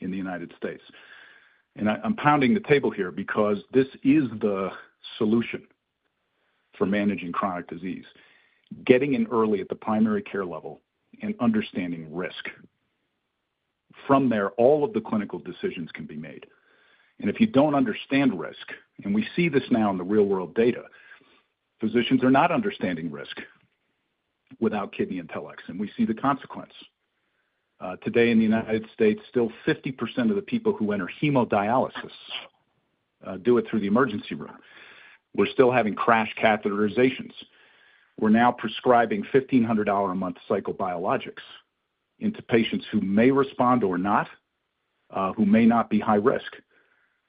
C: in the United States. And I, I'm pounding the table here because this is the solution for managing chronic disease, getting in early at the primary care level and understanding risk. From there, all of the clinical decisions can be made. If you don't understand risk, and we see this now in the real-world data, physicians are not understanding risk without KidneyIntelX, and we see the consequence. Today in the United States, still 50% of the people who enter hemodialysis do it through the emergency room. We're still having crash catheterizations. We're now prescribing $1,500-a-month biologics into patients who may respond or not, who may not be high risk.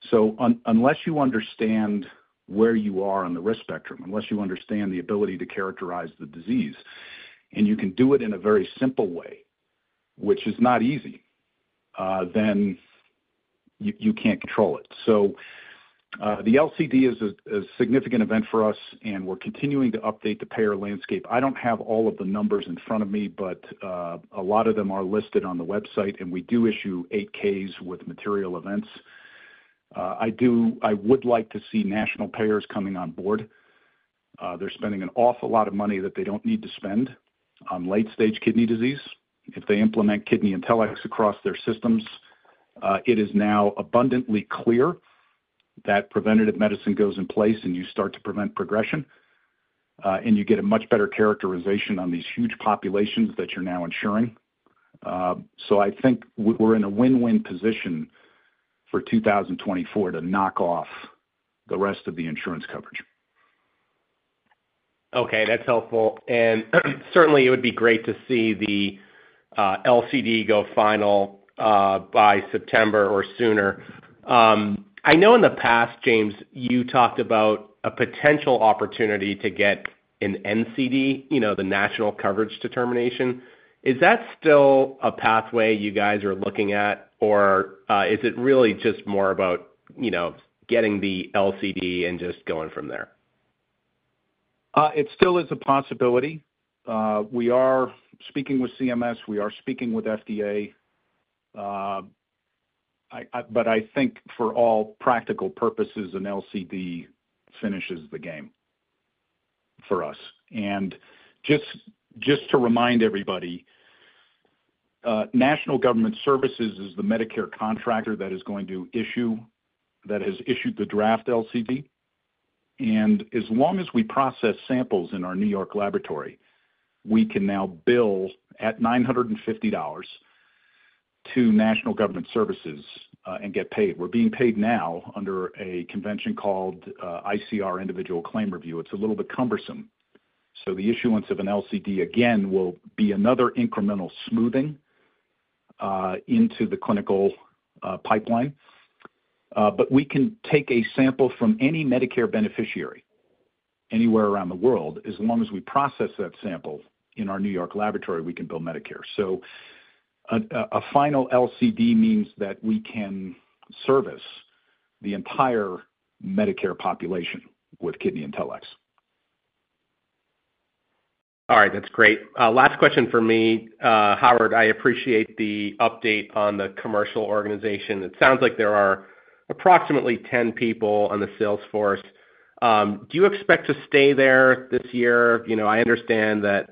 C: So unless you understand where you are on the risk spectrum, unless you understand the ability to characterize the disease, and you can do it in a very simple way, which is not easy, then you can't control it. So the LCD is a significant event for us, and we're continuing to update the payer landscape. I don't have all of the numbers in front of me, but a lot of them are listed on the website, and we do issue 8-Ks with material events. I would like to see national payers coming on board. They're spending an awful lot of money that they don't need to spend on late-stage kidney disease. If they implement KidneyIntelX across their systems, it is now abundantly clear that preventative medicine goes in place, and you start to prevent progression, and you get a much better characterization on these huge populations that you're now insuring. So I think we're in a win-win position for 2024 to knock off the rest of the insurance coverage.
H: Okay, that's helpful. And certainly, it would be great to see the LCD go final by September or sooner. I know in the past, James, you talked about a potential opportunity to get an NCD, you know, the National Coverage Determination. Is that still a pathway you guys are looking at, or is it really just more about, you know, getting the LCD and just going from there?
C: It still is a possibility. We are speaking with CMS, we are speaking with FDA. But I think for all practical purposes, an LCD finishes the game for us. And just to remind everybody, National Government Services is the Medicare contractor that has issued the draft LCD. And as long as we process samples in our New York laboratory, we can now bill at $950 to National Government Services and get paid. We're being paid now under a convention called ICR, Individual Claim Review. It's a little bit cumbersome. So the issuance of an LCD, again, will be another incremental smoothing into the clinical pipeline. But we can take a sample from any Medicare beneficiary, anywhere around the world. As long as we process that sample in our New York laboratory, we can bill Medicare. So a final LCD means that we can service the entire Medicare population with KidneyIntelX.
H: All right, that's great. Last question for me. Howard, I appreciate the update on the commercial organization. It sounds like there are approximately 10 people on the sales force. Do you expect to stay there this year? You know, I understand that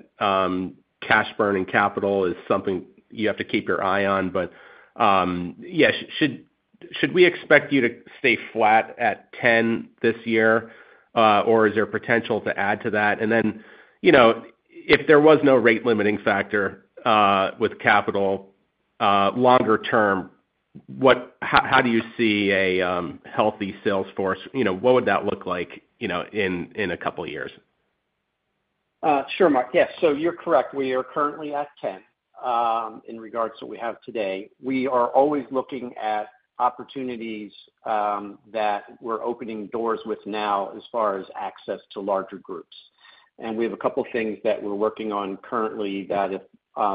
H: cash burning capital is something you have to keep your eye on, but yeah, should we expect you to stay flat at 10 this year, or is there potential to add to that? And then, you know, if there was no rate limiting factor with capital, longer term, how do you see a healthy sales force? You know, what would that look like, you know, in a couple years?
G: Sure, Mark. Yes, so you're correct. We are currently at 10, in regards to what we have today. We are always looking at opportunities that we're opening doors with now, as far as access to larger groups. And we have a couple things that we're working on currently that if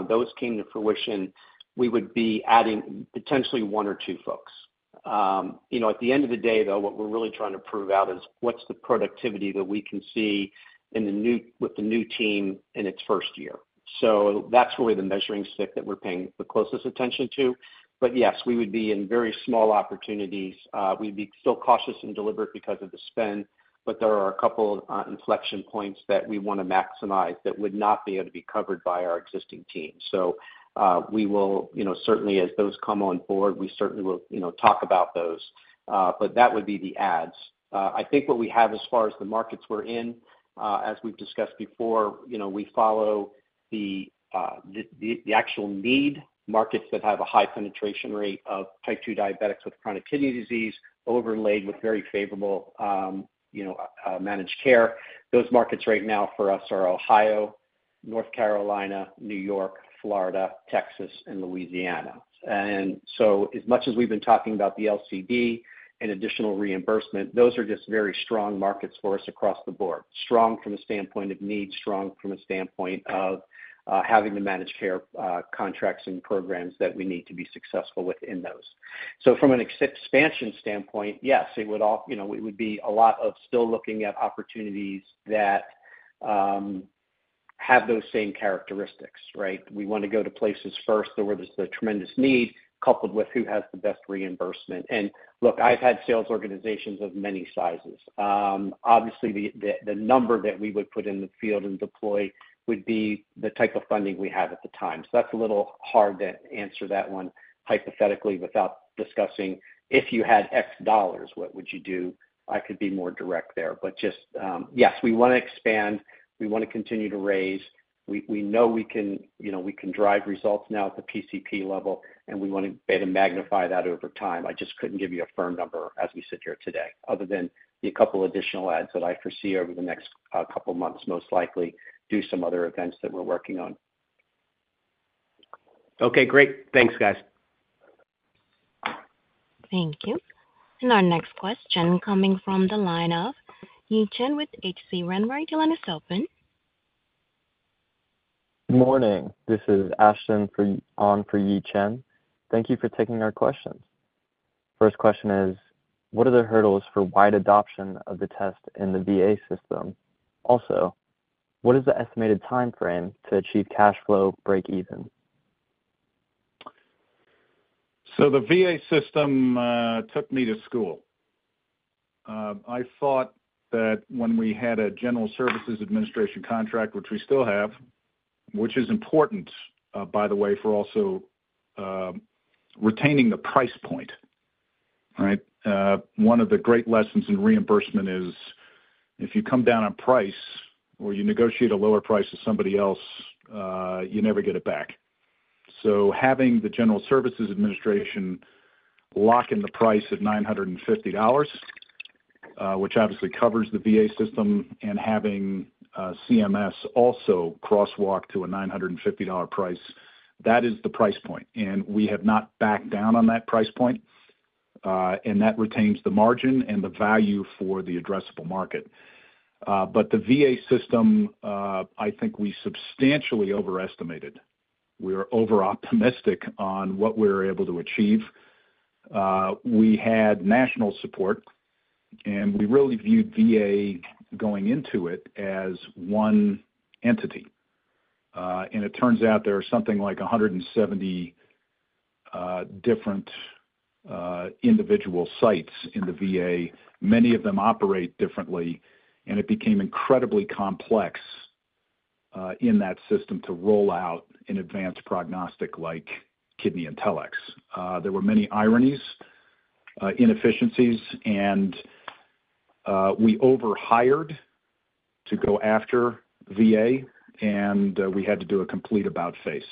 G: those came to fruition, we would be adding potentially 1 or 2 folks. You know, at the end of the day, though, what we're really trying to prove out is, what's the productivity that we can see with the new team in its first year? So that's really the measuring stick that we're paying the closest attention to. But yes, we would be in very small opportunities. We'd be still cautious and deliberate because of the spend, but there are a couple inflection points that we wanna maximize that would not be able to be covered by our existing team. So, we will, you know, certainly as those come on board, we certainly will, you know, talk about those, but that would be the adds. I think what we have as far as the markets we're in, as we've discussed before, you know, we follow the actual need markets that have a high penetration rate of Type 2 diabetics with chronic kidney disease, overlaid with very favorable, you know, managed care. Those markets right now for us are Ohio, North Carolina, New York, Florida, Texas, and Louisiana. And so as much as we've been talking about the LCD and additional reimbursement, those are just very strong markets for us across the board. Strong from a standpoint of need, strong from a standpoint of having the managed care contracts and programs that we need to be successful within those. So from an expansion standpoint, yes, it would all... You know, it would be a lot of still looking at opportunities that have those same characteristics, right? We want to go to places first, where there's a tremendous need, coupled with who has the best reimbursement. And look, I've had sales organizations of many sizes. Obviously, the number that we would put in the field and deploy would be the type of funding we have at the time. So that's a little hard to answer that one hypothetically, without discussing if you had X dollars, what would you do? I could be more direct there. But just, yes, we wanna expand. We wanna continue to raise. We, we know we can, you know, we can drive results now at the PCP level, and we want to better magnify that over time. I just couldn't give you a firm number as we sit here today, other than the couple additional adds that I foresee over the next, couple months, most likely, due to some other events that we're working on.
H: Okay, great. Thanks, guys.
A: Thank you. Our next question coming from the line of Yi Chen with H.C. Wainwright. Your line is open.
I: Good morning. This is Ashton, on for Yi Chen. Thank you for taking our questions. First question is: what are the hurdles for wide adoption of the test in the VA system? Also, what is the estimated timeframe to achieve cash flow break even?
C: So the VA system took me to school. I thought that when we had a General Services Administration contract, which we still have which is important, by the way, for also retaining the price point, right? One of the great lessons in reimbursement is, if you come down on price or you negotiate a lower price with somebody else, you never get it back. So having the General Services Administration lock in the price at $950, which obviously covers the VA system, and having CMS also crosswalk to a $950 price, that is the price point, and we have not backed down on that price point. And that retains the margin and the value for the addressable market. But the VA system, I think we substantially overestimated. We were over-optimistic on what we were able to achieve. We had national support, and we really viewed VA going into it as one entity. And it turns out there are something like 170 different individual sites in the VA. Many of them operate differently, and it became incredibly complex in that system to roll out an advanced prognostic like KidneyIntelX. There were many ironies, inefficiencies, and we overhired to go after VA, and we had to do a complete about-face.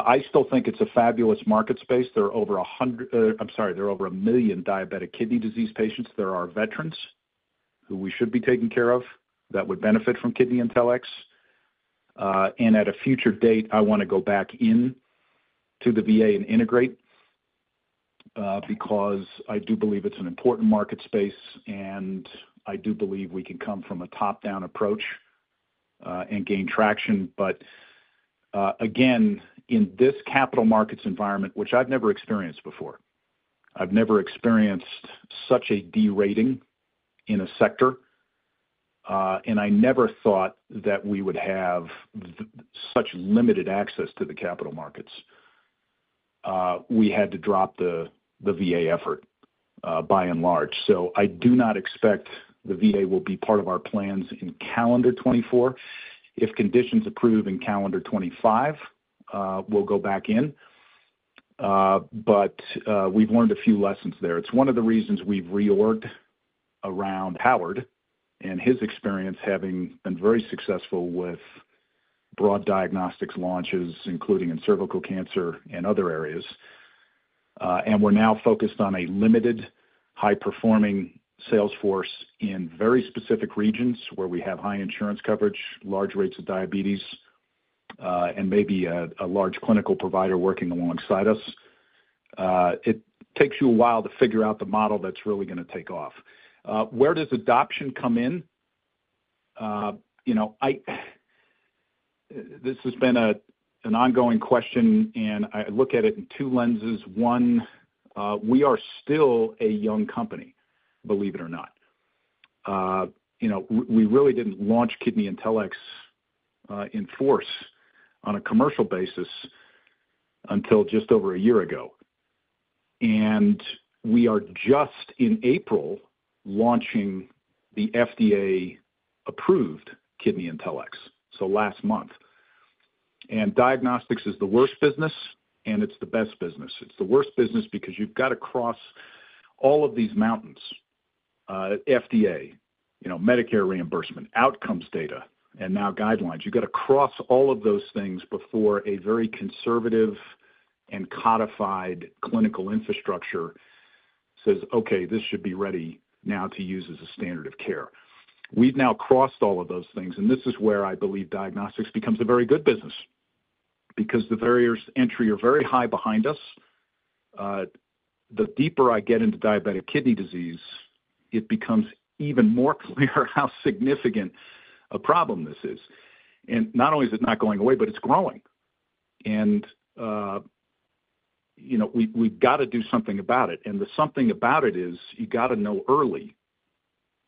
C: I still think it's a fabulous market space. There are over a hundred... I'm sorry, there are over a million diabetic kidney disease patients. There are veterans who we should be taking care of that would benefit from KidneyIntelX. And at a future date, I want to go back in to the VA and integrate, because I do believe it's an important market space, and I do believe we can come from a top-down approach, and gain traction. But, again, in this capital markets environment, which I've never experienced before, I've never experienced such a derating in a sector, and I never thought that we would have such limited access to the capital markets. We had to drop the VA effort, by and large. So I do not expect the VA will be part of our plans in calendar 2024. If conditions improve in calendar 2025, we'll go back in. But, we've learned a few lessons there. It's one of the reasons we've reorged around Howard and his experience, having been very successful with broad diagnostics launches, including in cervical cancer and other areas. And we're now focused on a limited, high-performing sales force in very specific regions where we have high insurance coverage, large rates of diabetes, and maybe a large clinical provider working alongside us. It takes you a while to figure out the model that's really gonna take off. Where does adoption come in? You know. This has been an ongoing question, and I look at it in two lenses. One, we are still a young company, believe it or not. You know, we really didn't launch KidneyIntelX in force on a commercial basis until just over a year ago, and we are just in April launching the FDA-approved KidneyIntelX, so last month. And diagnostics is the worst business, and it's the best business. It's the worst business because you've got to cross all of these mountains, FDA, you know, Medicare reimbursement, outcomes data, and now guidelines. You've got to cross all of those things before a very conservative and codified clinical infrastructure says, "Okay, this should be ready now to use as a standard of care." We've now crossed all of those things, and this is where I believe diagnostics becomes a very good business because the barriers to entry are very high behind us. The deeper I get into diabetic kidney disease, it becomes even more clear how significant a problem this is. Not only is it not going away, but it's growing. You know, we've got to do something about it, and the something about it is, you've got to know early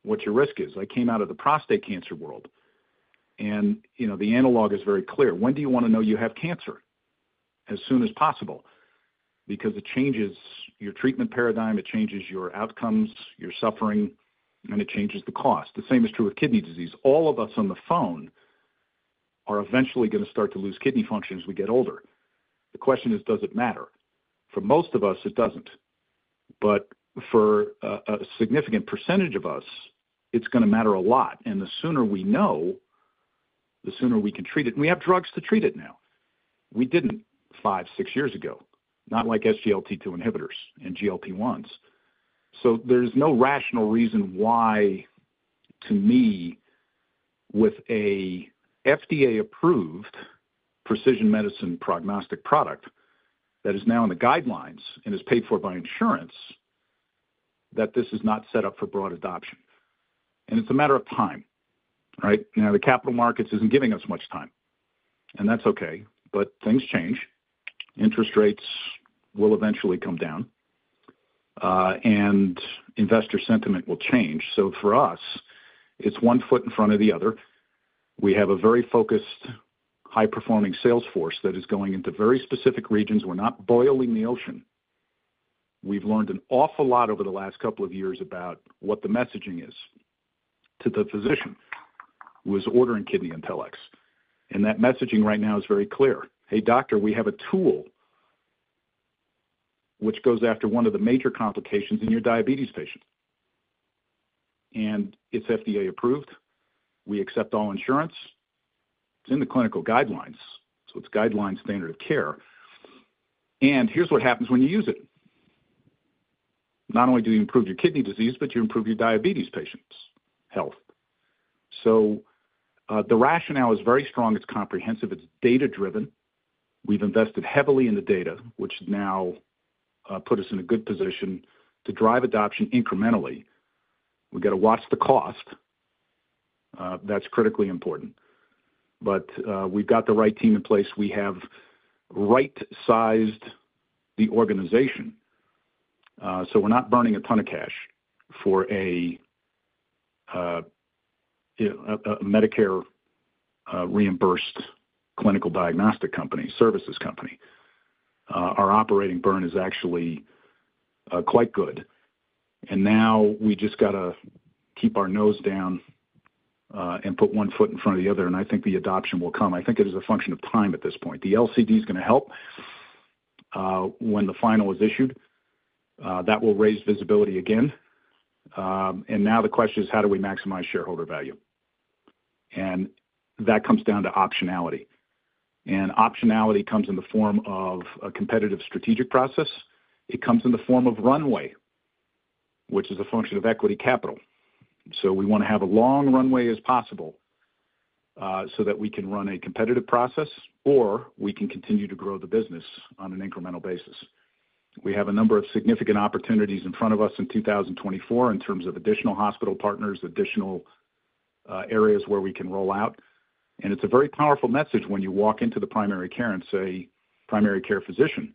C: what your risk is. I came out of the prostate cancer world, and, you know, the analog is very clear. When do you want to know you have cancer? As soon as possible, because it changes your treatment paradigm, it changes your outcomes, your suffering, and it changes the cost. The same is true with kidney disease. All of us on the phone are eventually gonna start to lose kidney function as we get older. The question is, does it matter? For most of us, it doesn't. But for a significant percentage of us, it's gonna matter a lot, and the sooner we know, the sooner we can treat it. We have drugs to treat it now. We didn't 5, 6 years ago, not like SGLT2 inhibitors and GLP-1s. There's no rational reason why, to me, with a FDA-approved precision medicine prognostic product that is now in the guidelines and is paid for by insurance, that this is not set up for broad adoption. It's a matter of time, right? You know, the capital markets isn't giving us much time, and that's okay, but things change. Interest rates will eventually come down, and investor sentiment will change. For us, it's one foot in front of the other. We have a very focused, high-performing sales force that is going into very specific regions. We're not boiling the ocean... We've learned an awful lot over the last couple of years about what the messaging is to the physician who is ordering KidneyIntelX, and that messaging right now is very clear: "Hey, doctor, we have a tool which goes after one of the major complications in your diabetes patient, and it's FDA approved. We accept all insurance. It's in the clinical guidelines, so it's guideline standard of care. And here's what happens when you use it. Not only do you improve your kidney disease, but you improve your diabetes patient's health." So, the rationale is very strong, it's comprehensive, it's data-driven. We've invested heavily in the data, which now put us in a good position to drive adoption incrementally. We've got to watch the cost, that's critically important. But, we've got the right team in place. We have right-sized the organization, so we're not burning a ton of cash for a Medicare reimbursed clinical diagnostic company, services company. Our operating burn is actually quite good, and now we just got to keep our nose down, and put one foot in front of the other, and I think the adoption will come. I think it is a function of time at this point. The LCD is gonna help, when the final is issued, that will raise visibility again. And now the question is: how do we maximize shareholder value? And that comes down to optionality. And optionality comes in the form of a competitive strategic process. It comes in the form of runway, which is a function of equity capital. We want to have a long runway as possible, so that we can run a competitive process, or we can continue to grow the business on an incremental basis. We have a number of significant opportunities in front of us in 2024 in terms of additional hospital partners, additional areas where we can roll out. It's a very powerful message when you walk into the primary care and say, primary care physician,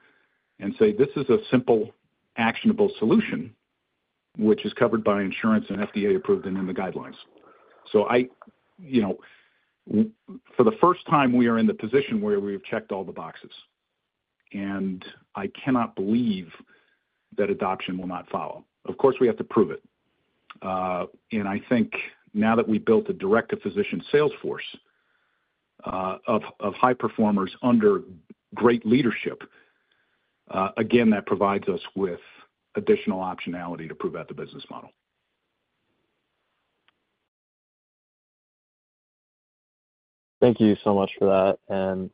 C: and say, "This is a simple, actionable solution, which is covered by insurance and FDA approved and in the guidelines." So I, you know, for the first time, we are in the position where we have checked all the boxes, and I cannot believe that adoption will not follow. Of course, we have to prove it. I think now that we've built a direct-to-physician sales force of high performers under great leadership, again, that provides us with additional optionality to prove out the business model.
I: Thank you so much for that.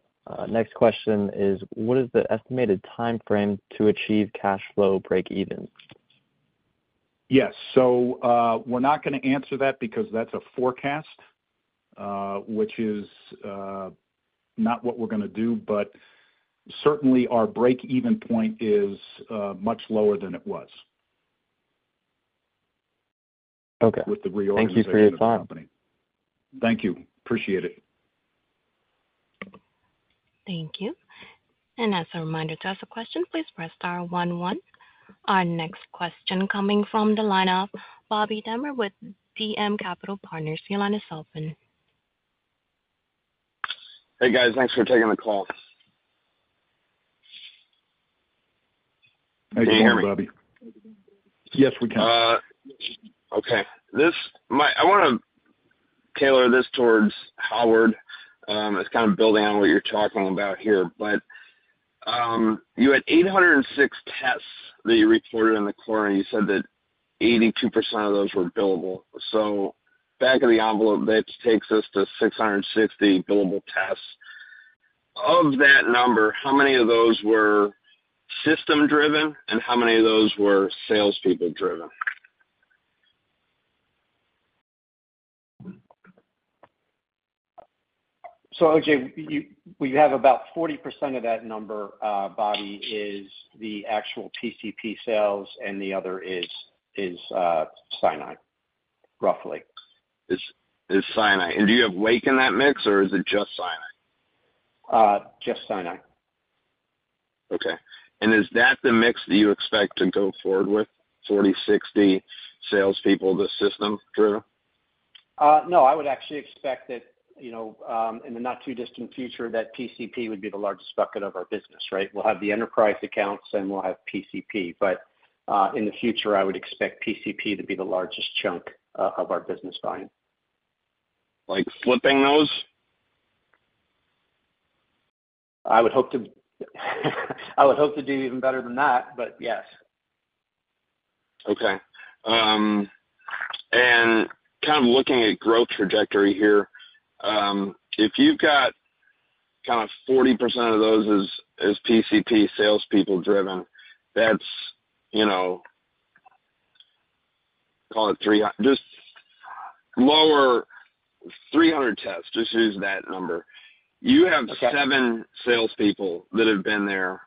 I: Next question is: what is the estimated timeframe to achieve cash flow break even?
C: Yes. So, we're not gonna answer that because that's a forecast, which is not what we're gonna do, but certainly our break-even point is much lower than it was-
I: Okay
C: with the reorganization of the company.
I: Thank you for your time.
C: Thank you. Appreciate it.
A: Thank you. As a reminder, to ask a question, please press star one, one. Our next question coming from the line of Bobby Wermuth with DM Capital Group. Your line is open.
J: Hey, guys. Thanks for taking the call. Can you hear me?
C: Yes, we can.
J: I wanna tailor this towards Howard. It's kind of building on what you're talking about here, but you had 806 tests that you reported in the quarter, and you said that 82% of those were billable. So back of the envelope, that takes us to 660 billable tests. Of that number, how many of those were system driven and how many of those were salespeople driven?
G: O.J., you, we have about 40% of that number, Bobby, is the actual PCP sales, and the other is Sinai, roughly.
J: Is Sinai. And do you have Wake in that mix, or is it just Sinai?
G: Just Sinai.
J: Okay. Is that the mix that you expect to go forward with, 40-60 salespeople, the system driven?
G: No, I would actually expect that, you know, in the not too distant future, that PCP would be the largest bucket of our business, right? We'll have the enterprise accounts, and we'll have PCP. But, in the future, I would expect PCP to be the largest chunk of our business line.
J: Like flipping those?
G: I would hope to do even better than that, but yes.
J: Okay. And kind of looking at growth trajectory here, if you've got kind of 40% of those as, as PCP salespeople driven, that's, you know, call it three—just lower 300 tests, just use that number. You have 7 salespeople that have been there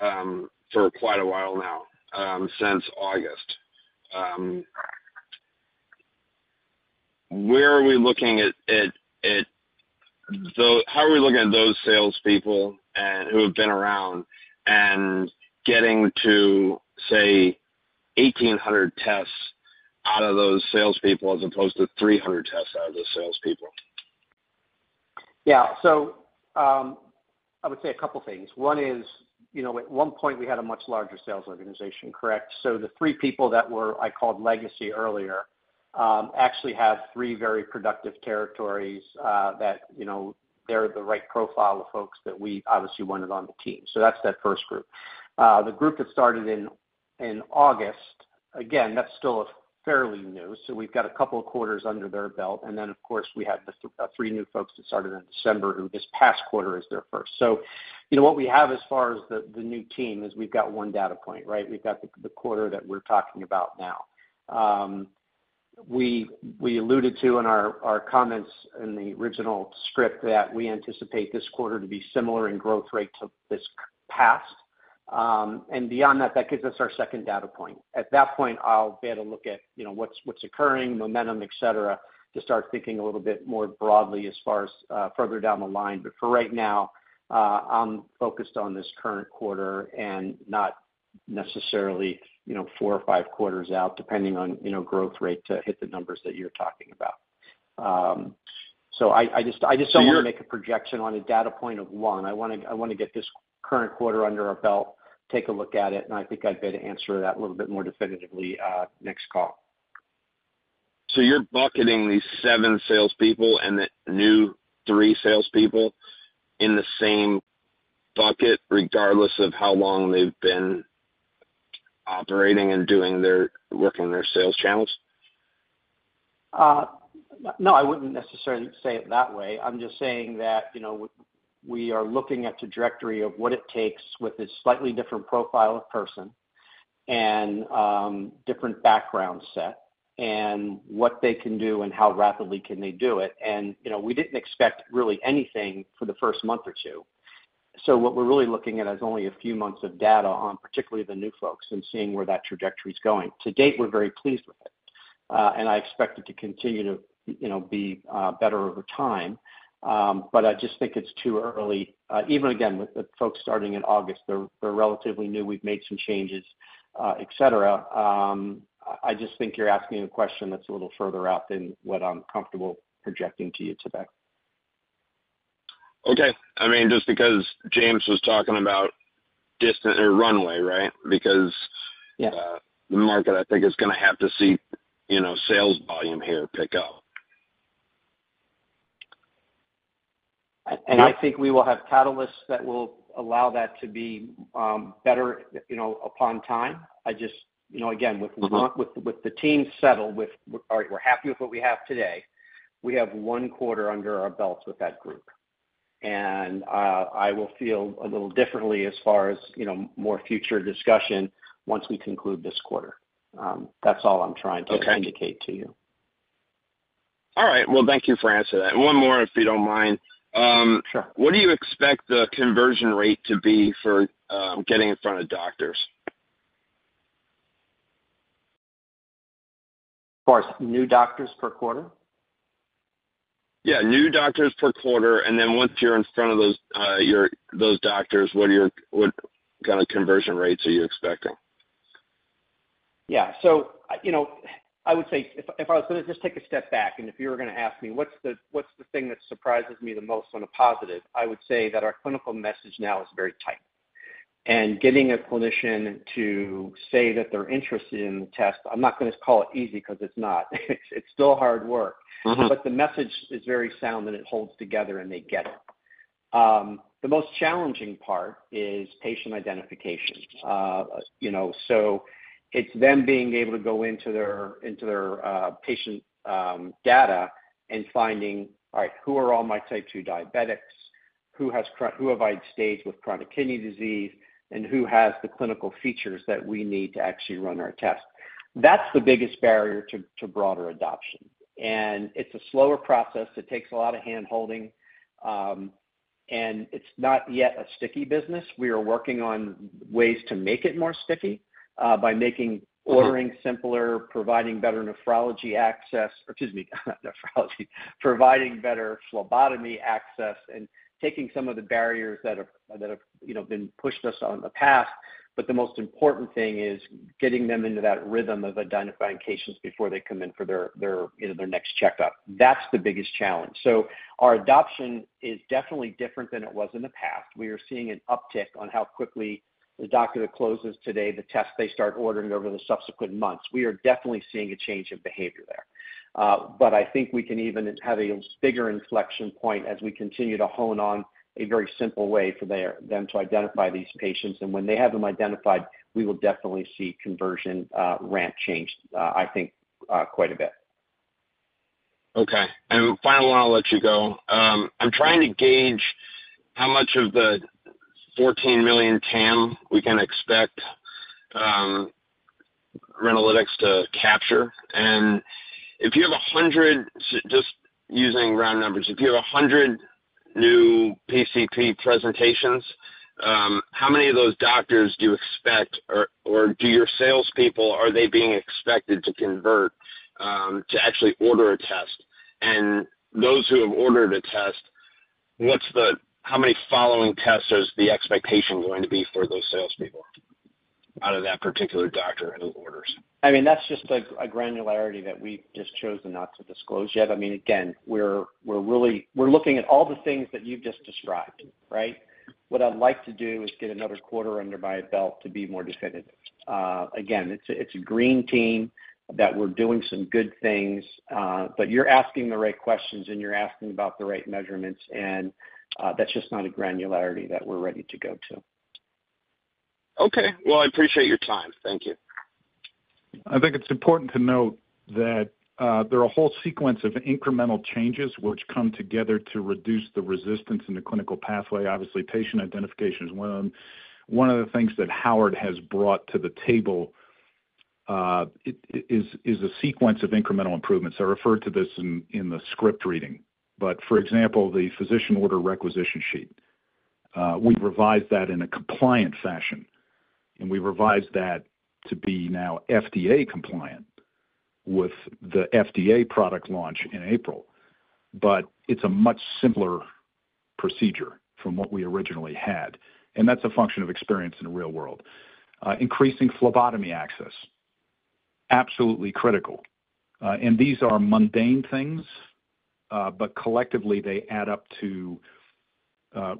J: for quite a while now, since August. Where are we looking at those salespeople and who have been around and getting to, say, 1,800 tests out of those salespeople as opposed to 300 tests out of those salespeople?...
G: Yeah. So, I would say a couple things. One is, you know, at one point, we had a much larger sales organization, correct? So the 3 people that were, I called legacy earlier, actually have 3 very productive territories, that, you know, they're the right profile of folks that we obviously wanted on the team. So that's that first group. The group that started in August, again, that's still fairly new, so we've got a couple of quarters under their belt, and then, of course, we had the 3 new folks that started in December, who this past quarter is their first. So, you know, what we have as far as the new team is we've got 1 data point, right? We've got the quarter that we're talking about now. We alluded to in our comments in the original script that we anticipate this quarter to be similar in growth rate to this past. Beyond that, that gives us our second data point. At that point, I'll be able to look at, you know, what's occurring, momentum, et cetera, to start thinking a little bit more broadly as far as further down the line. But for right now, I'm focused on this current quarter and not necessarily, you know, four or five quarters out, depending on, you know, growth rate to hit the numbers that you're talking about. I just don't want to make a projection on a data point of one. I wanna get this current quarter under our belt, take a look at it, and I think I'd be able to answer that a little bit more definitively, next call.
J: So you're bucketing these seven salespeople and the new three salespeople in the same bucket, regardless of how long they've been operating and doing their... working their sales channels?
G: No, I wouldn't necessarily say it that way. I'm just saying that, you know, we are looking at the trajectory of what it takes with a slightly different profile of person and, different background set, and what they can do and how rapidly can they do it, and, you know, we didn't expect really anything for the first month or two. So what we're really looking at is only a few months of data on particularly the new folks and seeing where that trajectory is going. To date, we're very pleased with it, and I expect it to continue to, you know, be, better over time. But I just think it's too early, even again, with the folks starting in August, they're relatively new. We've made some changes, et cetera. I just think you're asking a question that's a little further out than what I'm comfortable projecting to you today.
J: Okay. I mean, just because James was talking about distance or runway, right? Because-
G: Yeah.
J: The market, I think, is gonna have to see, you know, sales volume here pick up.
G: and I think we will have catalysts that will allow that to be, better, you know, upon time. I just, you know, again-
J: Mm-hmm.
G: with the team settled. All right, we're happy with what we have today. We have one quarter under our belts with that group, and I will feel a little differently as far as, you know, more future discussion once we conclude this quarter. That's all I'm trying to-
J: Okay.
G: indicate to you.
J: All right. Well, thank you for answering that. One more, if you don't mind.
G: Sure.
J: What do you expect the conversion rate to be for getting in front of doctors?
G: Of course, new doctors per quarter?
J: Yeah, new doctors per quarter, and then once you're in front of those, your, those doctors, what are your, what kind of conversion rates are you expecting?
G: Yeah. So, you know, I would say if, if I was gonna just take a step back, and if you were gonna ask me what's the, what's the thing that surprises me the most on a positive, I would say that our clinical message now is very tight. And getting a clinician to say that they're interested in the test, I'm not gonna call it easy because it's not. It's still hard work.
J: Mm-hmm.
G: But the message is very sound, and it holds together, and they get it. The most challenging part is patient identification. You know, so it's them being able to go into their, into their patient data and finding, all right, who are all my Type 2 diabetics? Who have I staged with chronic kidney disease, and who has the clinical features that we need to actually run our test? That's the biggest barrier to broader adoption, and it's a slower process. It takes a lot of handholding, and it's not yet a sticky business. We are working on ways to make it more sticky by making ordering simpler-
J: Mm-hmm.
G: - providing better nephrology access. Excuse me, not nephrology. Providing better phlebotomy access and taking some of the barriers that have, that have, you know, been pushed us on the path. But the most important thing is getting them into that rhythm of identifying patients before they come in for their, their, you know, their next checkup. That's the biggest challenge. So our adoption is definitely different than it was in the past. We are seeing an uptick on how quickly the doctor closes today, the test they start ordering over the subsequent months. We are definitely seeing a change in behavior there. But I think we can even have a bigger inflection point as we continue to hone on a very simple way for their- them to identify these patients. When they have them identified, we will definitely see conversion, ramp change, I think, quite a bit.
J: Okay. And finally, and I'll let you go. I'm trying to gauge how much of the $14 million TAM we can expect Renalytix to capture. And if you have 100, just using round numbers, if you have 100 new PCP presentations, how many of those doctors do you expect or, or do your salespeople, are they being expected to convert to actually order a test? And those who have ordered a test, what's the... How many following tests is the expectation going to be for those salespeople?... out of that particular doctor who orders?
G: I mean, that's just a granularity that we've just chosen not to disclose yet. I mean, again, we're really looking at all the things that you've just described, right? What I'd like to do is get another quarter under my belt to be more definitive. Again, it's a green team that we're doing some good things, but you're asking the right questions, and you're asking about the right measurements, and that's just not a granularity that we're ready to go to.
J: Okay. Well, I appreciate your time. Thank you.
C: I think it's important to note that there are a whole sequence of incremental changes which come together to reduce the resistance in the clinical pathway. Obviously, patient identification is one of them. One of the things that Howard has brought to the table is a sequence of incremental improvements. I referred to this in the script reading, but for example, the physician order requisition sheet, we revised that in a compliant fashion, and we revised that to be now FDA compliant with the FDA product launch in April. But it's a much simpler procedure from what we originally had, and that's a function of experience in the real world. Increasing phlebotomy access, absolutely critical. And these are mundane things, but collectively, they add up to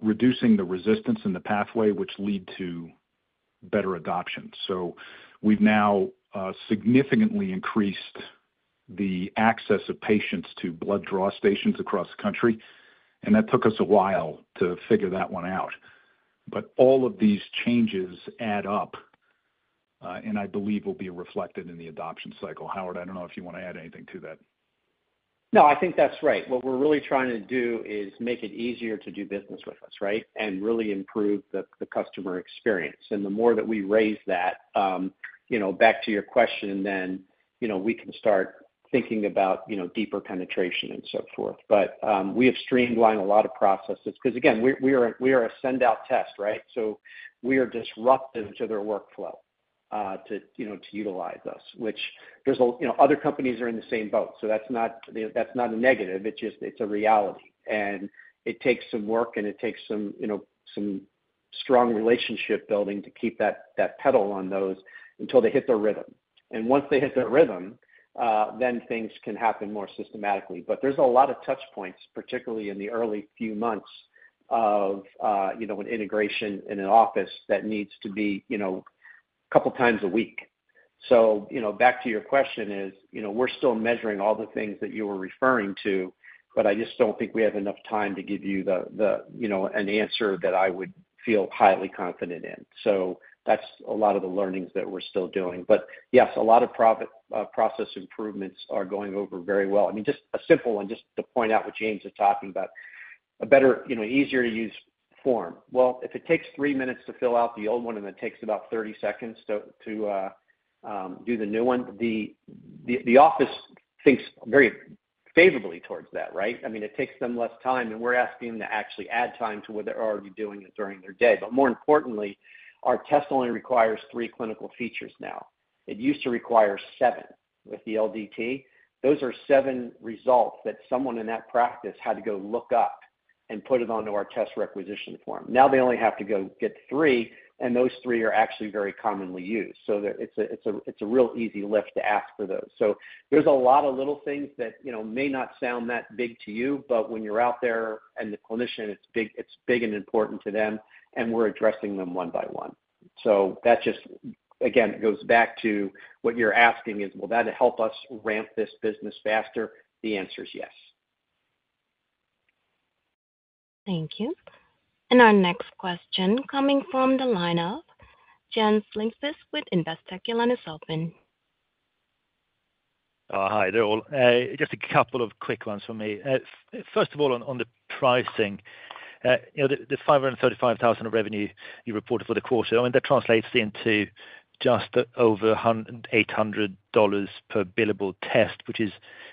C: reducing the resistance in the pathway, which lead to better adoption. So we've now significantly increased the access of patients to blood draw stations across the country, and that took us a while to figure that one out. But all of these changes add up, and I believe will be reflected in the adoption cycle. Howard, I don't know if you wanna add anything to that.
G: No, I think that's right. What we're really trying to do is make it easier to do business with us, right? Really improve the customer experience. The more that we raise that, you know, back to your question, then, you know, we can start thinking about, you know, deeper penetration and so forth. But we have streamlined a lot of processes because, again, we are a send-out test, right? So we are disruptive to their workflow, you know, to utilize us, which there's a... You know, other companies are in the same boat, so that's not, you know, that's not a negative, it's just, it's a reality. It takes some work, and it takes some, you know, strong relationship building to keep that pedal on those until they hit their rhythm. Once they hit their rhythm, then things can happen more systematically. But there's a lot of touch points, particularly in the early few months of, you know, an integration in an office that needs to be, you know, couple times a week. So, you know, back to your question is, you know, we're still measuring all the things that you were referring to, but I just don't think we have enough time to give you the, you know, an answer that I would feel highly confident in. So that's a lot of the learnings that we're still doing. But yes, a lot of process improvements are going over very well. I mean, just a simple one, just to point out what James is talking about, a better, you know, easier-to-use form. Well, if it takes 3 minutes to fill out the old one, and it takes about 30 seconds to do the new one, the office thinks very favorably towards that, right? I mean, it takes them less time, and we're asking them to actually add time to what they're already doing during their day. But more importantly, our test only requires 3 clinical features now. It used to require 7 with the LDT. Those are 7 results that someone in that practice had to go look up and put it onto our test requisition form. Now they only have to go get 3, and those 3 are actually very commonly used. So there, it's a real easy lift to ask for those. So there's a lot of little things that, you know, may not sound that big to you, but when you're out there and the clinician, it's big, it's big and important to them, and we're addressing them one by one. So that just, again, goes back to what you're asking is: Will that help us ramp this business faster? The answer is yes.
A: Thank you. Our next question coming from the line of Jens Lindqvist with Investec. Your line is open.
K: Hi there, all. Just a couple of quick ones from me. First of all, on the pricing, you know, the $535,000 of revenue you reported for the quarter, I mean, that translates into just over $800 per billable test, which is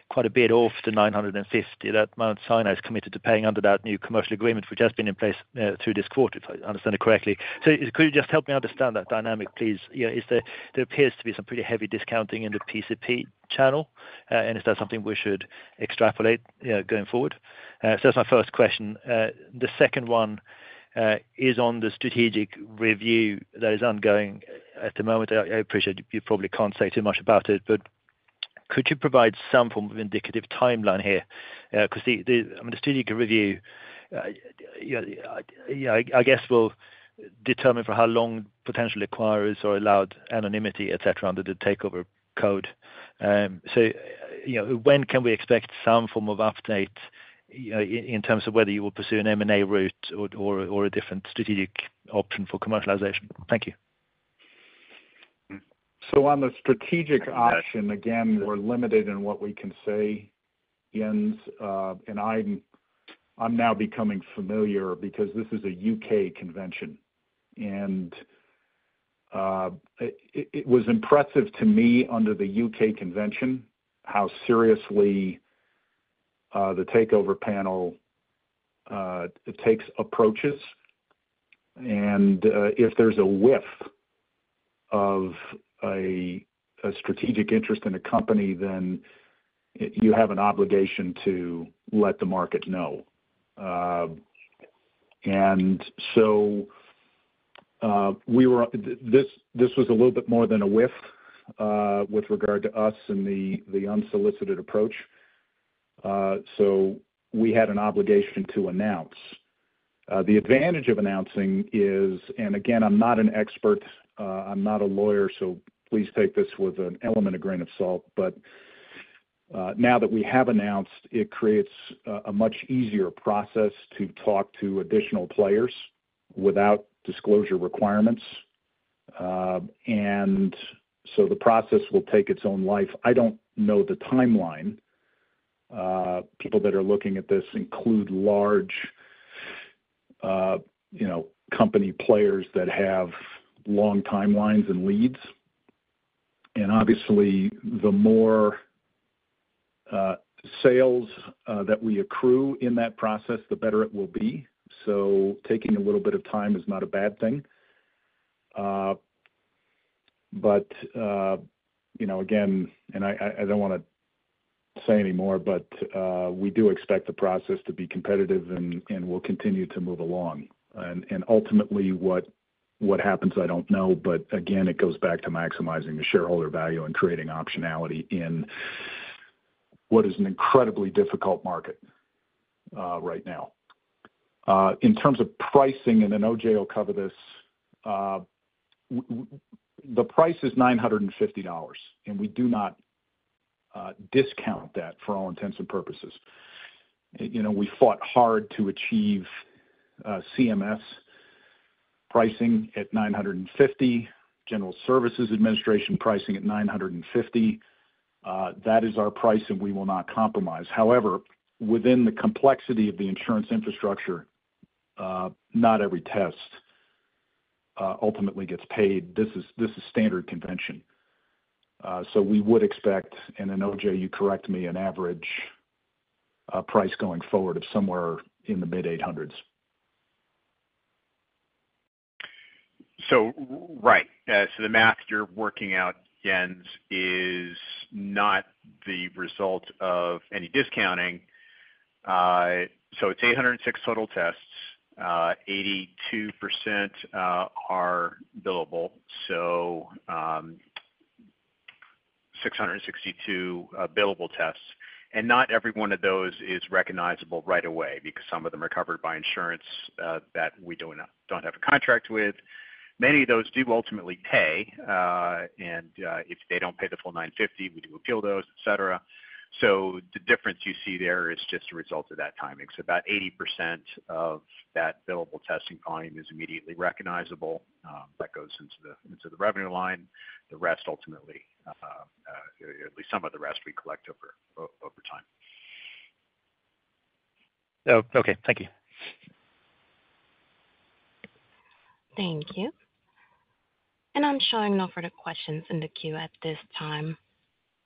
K: quite a bit off the $950 that Mount Sinai is committed to paying under that new commercial agreement, which has been in place through this quarter, if I understand it correctly. So could you just help me understand that dynamic, please? You know, there appears to be some pretty heavy discounting in the PCP channel, and is that something we should extrapolate, you know, going forward? So that's my first question. The second one is on the strategic review that is ongoing at the moment. I appreciate you probably can't say too much about it, but could you provide some form of indicative timeline here? Because the, I mean, the strategic review, you know, I guess, will determine for how long potential acquirers are allowed anonymity, et cetera, under the Takeover Code. So, you know, when can we expect some form of update, in terms of whether you will pursue an M&A route or, or, or a different strategic option for commercialization? Thank you.
C: So on the strategic option, again, we're limited in what we can say, Jens, and I'm now becoming familiar because this is a UK convention, and it was impressive to me under the UK convention how seriously the Takeover Panel takes approaches. And if there's a whiff of a strategic interest in a company, then you have an obligation to let the market know. And so, this was a little bit more than a whiff with regard to us and the unsolicited approach. So we had an obligation to announce. The advantage of announcing is, and again, I'm not an expert, I'm not a lawyer, so please take this with a grain of salt. But now that we have announced, it creates a much easier process to talk to additional players without disclosure requirements. And so the process will take its own life. I don't know the timeline. People that are looking at this include large, you know, company players that have long timelines and leads. And obviously, the more sales that we accrue in that process, the better it will be. So taking a little bit of time is not a bad thing. But you know, again, and I don't wanna say any more, but we do expect the process to be competitive, and we'll continue to move along. Ultimately, what happens, I don't know, but again, it goes back to maximizing the shareholder value and creating optionality in what is an incredibly difficult market right now. In terms of pricing, and then O.J. will cover this, the price is $950, and we do not discount that for all intents and purposes. You know, we fought hard to achieve CMS pricing at $950, General Services Administration pricing at $950. That is our price, and we will not compromise. However, within the complexity of the insurance infrastructure, not every test ultimately gets paid. This is standard convention. So we would expect, and then, O.J., you correct me, an average price going forward of somewhere in the mid-800s.
D: So right. So the math you're working out, Jens, is not the result of any discounting. So it's 806 total tests, 82% are billable, so, 662 billable tests. And not every one of those is recognizable right away because some of them are covered by insurance that we don't have a contract with. Many of those do ultimately pay, and, if they don't pay the full $950, we do appeal those, et cetera. So the difference you see there is just a result of that timing. So about 80% of that billable testing volume is immediately recognizable, that goes into the, into the revenue line. The rest ultimately, at least some of the rest, we collect over time.
C: Oh, okay. Thank you.
A: Thank you. I'm showing no further questions in the queue at this time.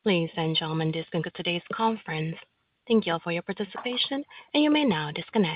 A: Ladies and gentlemen, this concludes today's conference. Thank you all for your participation, and you may now disconnect.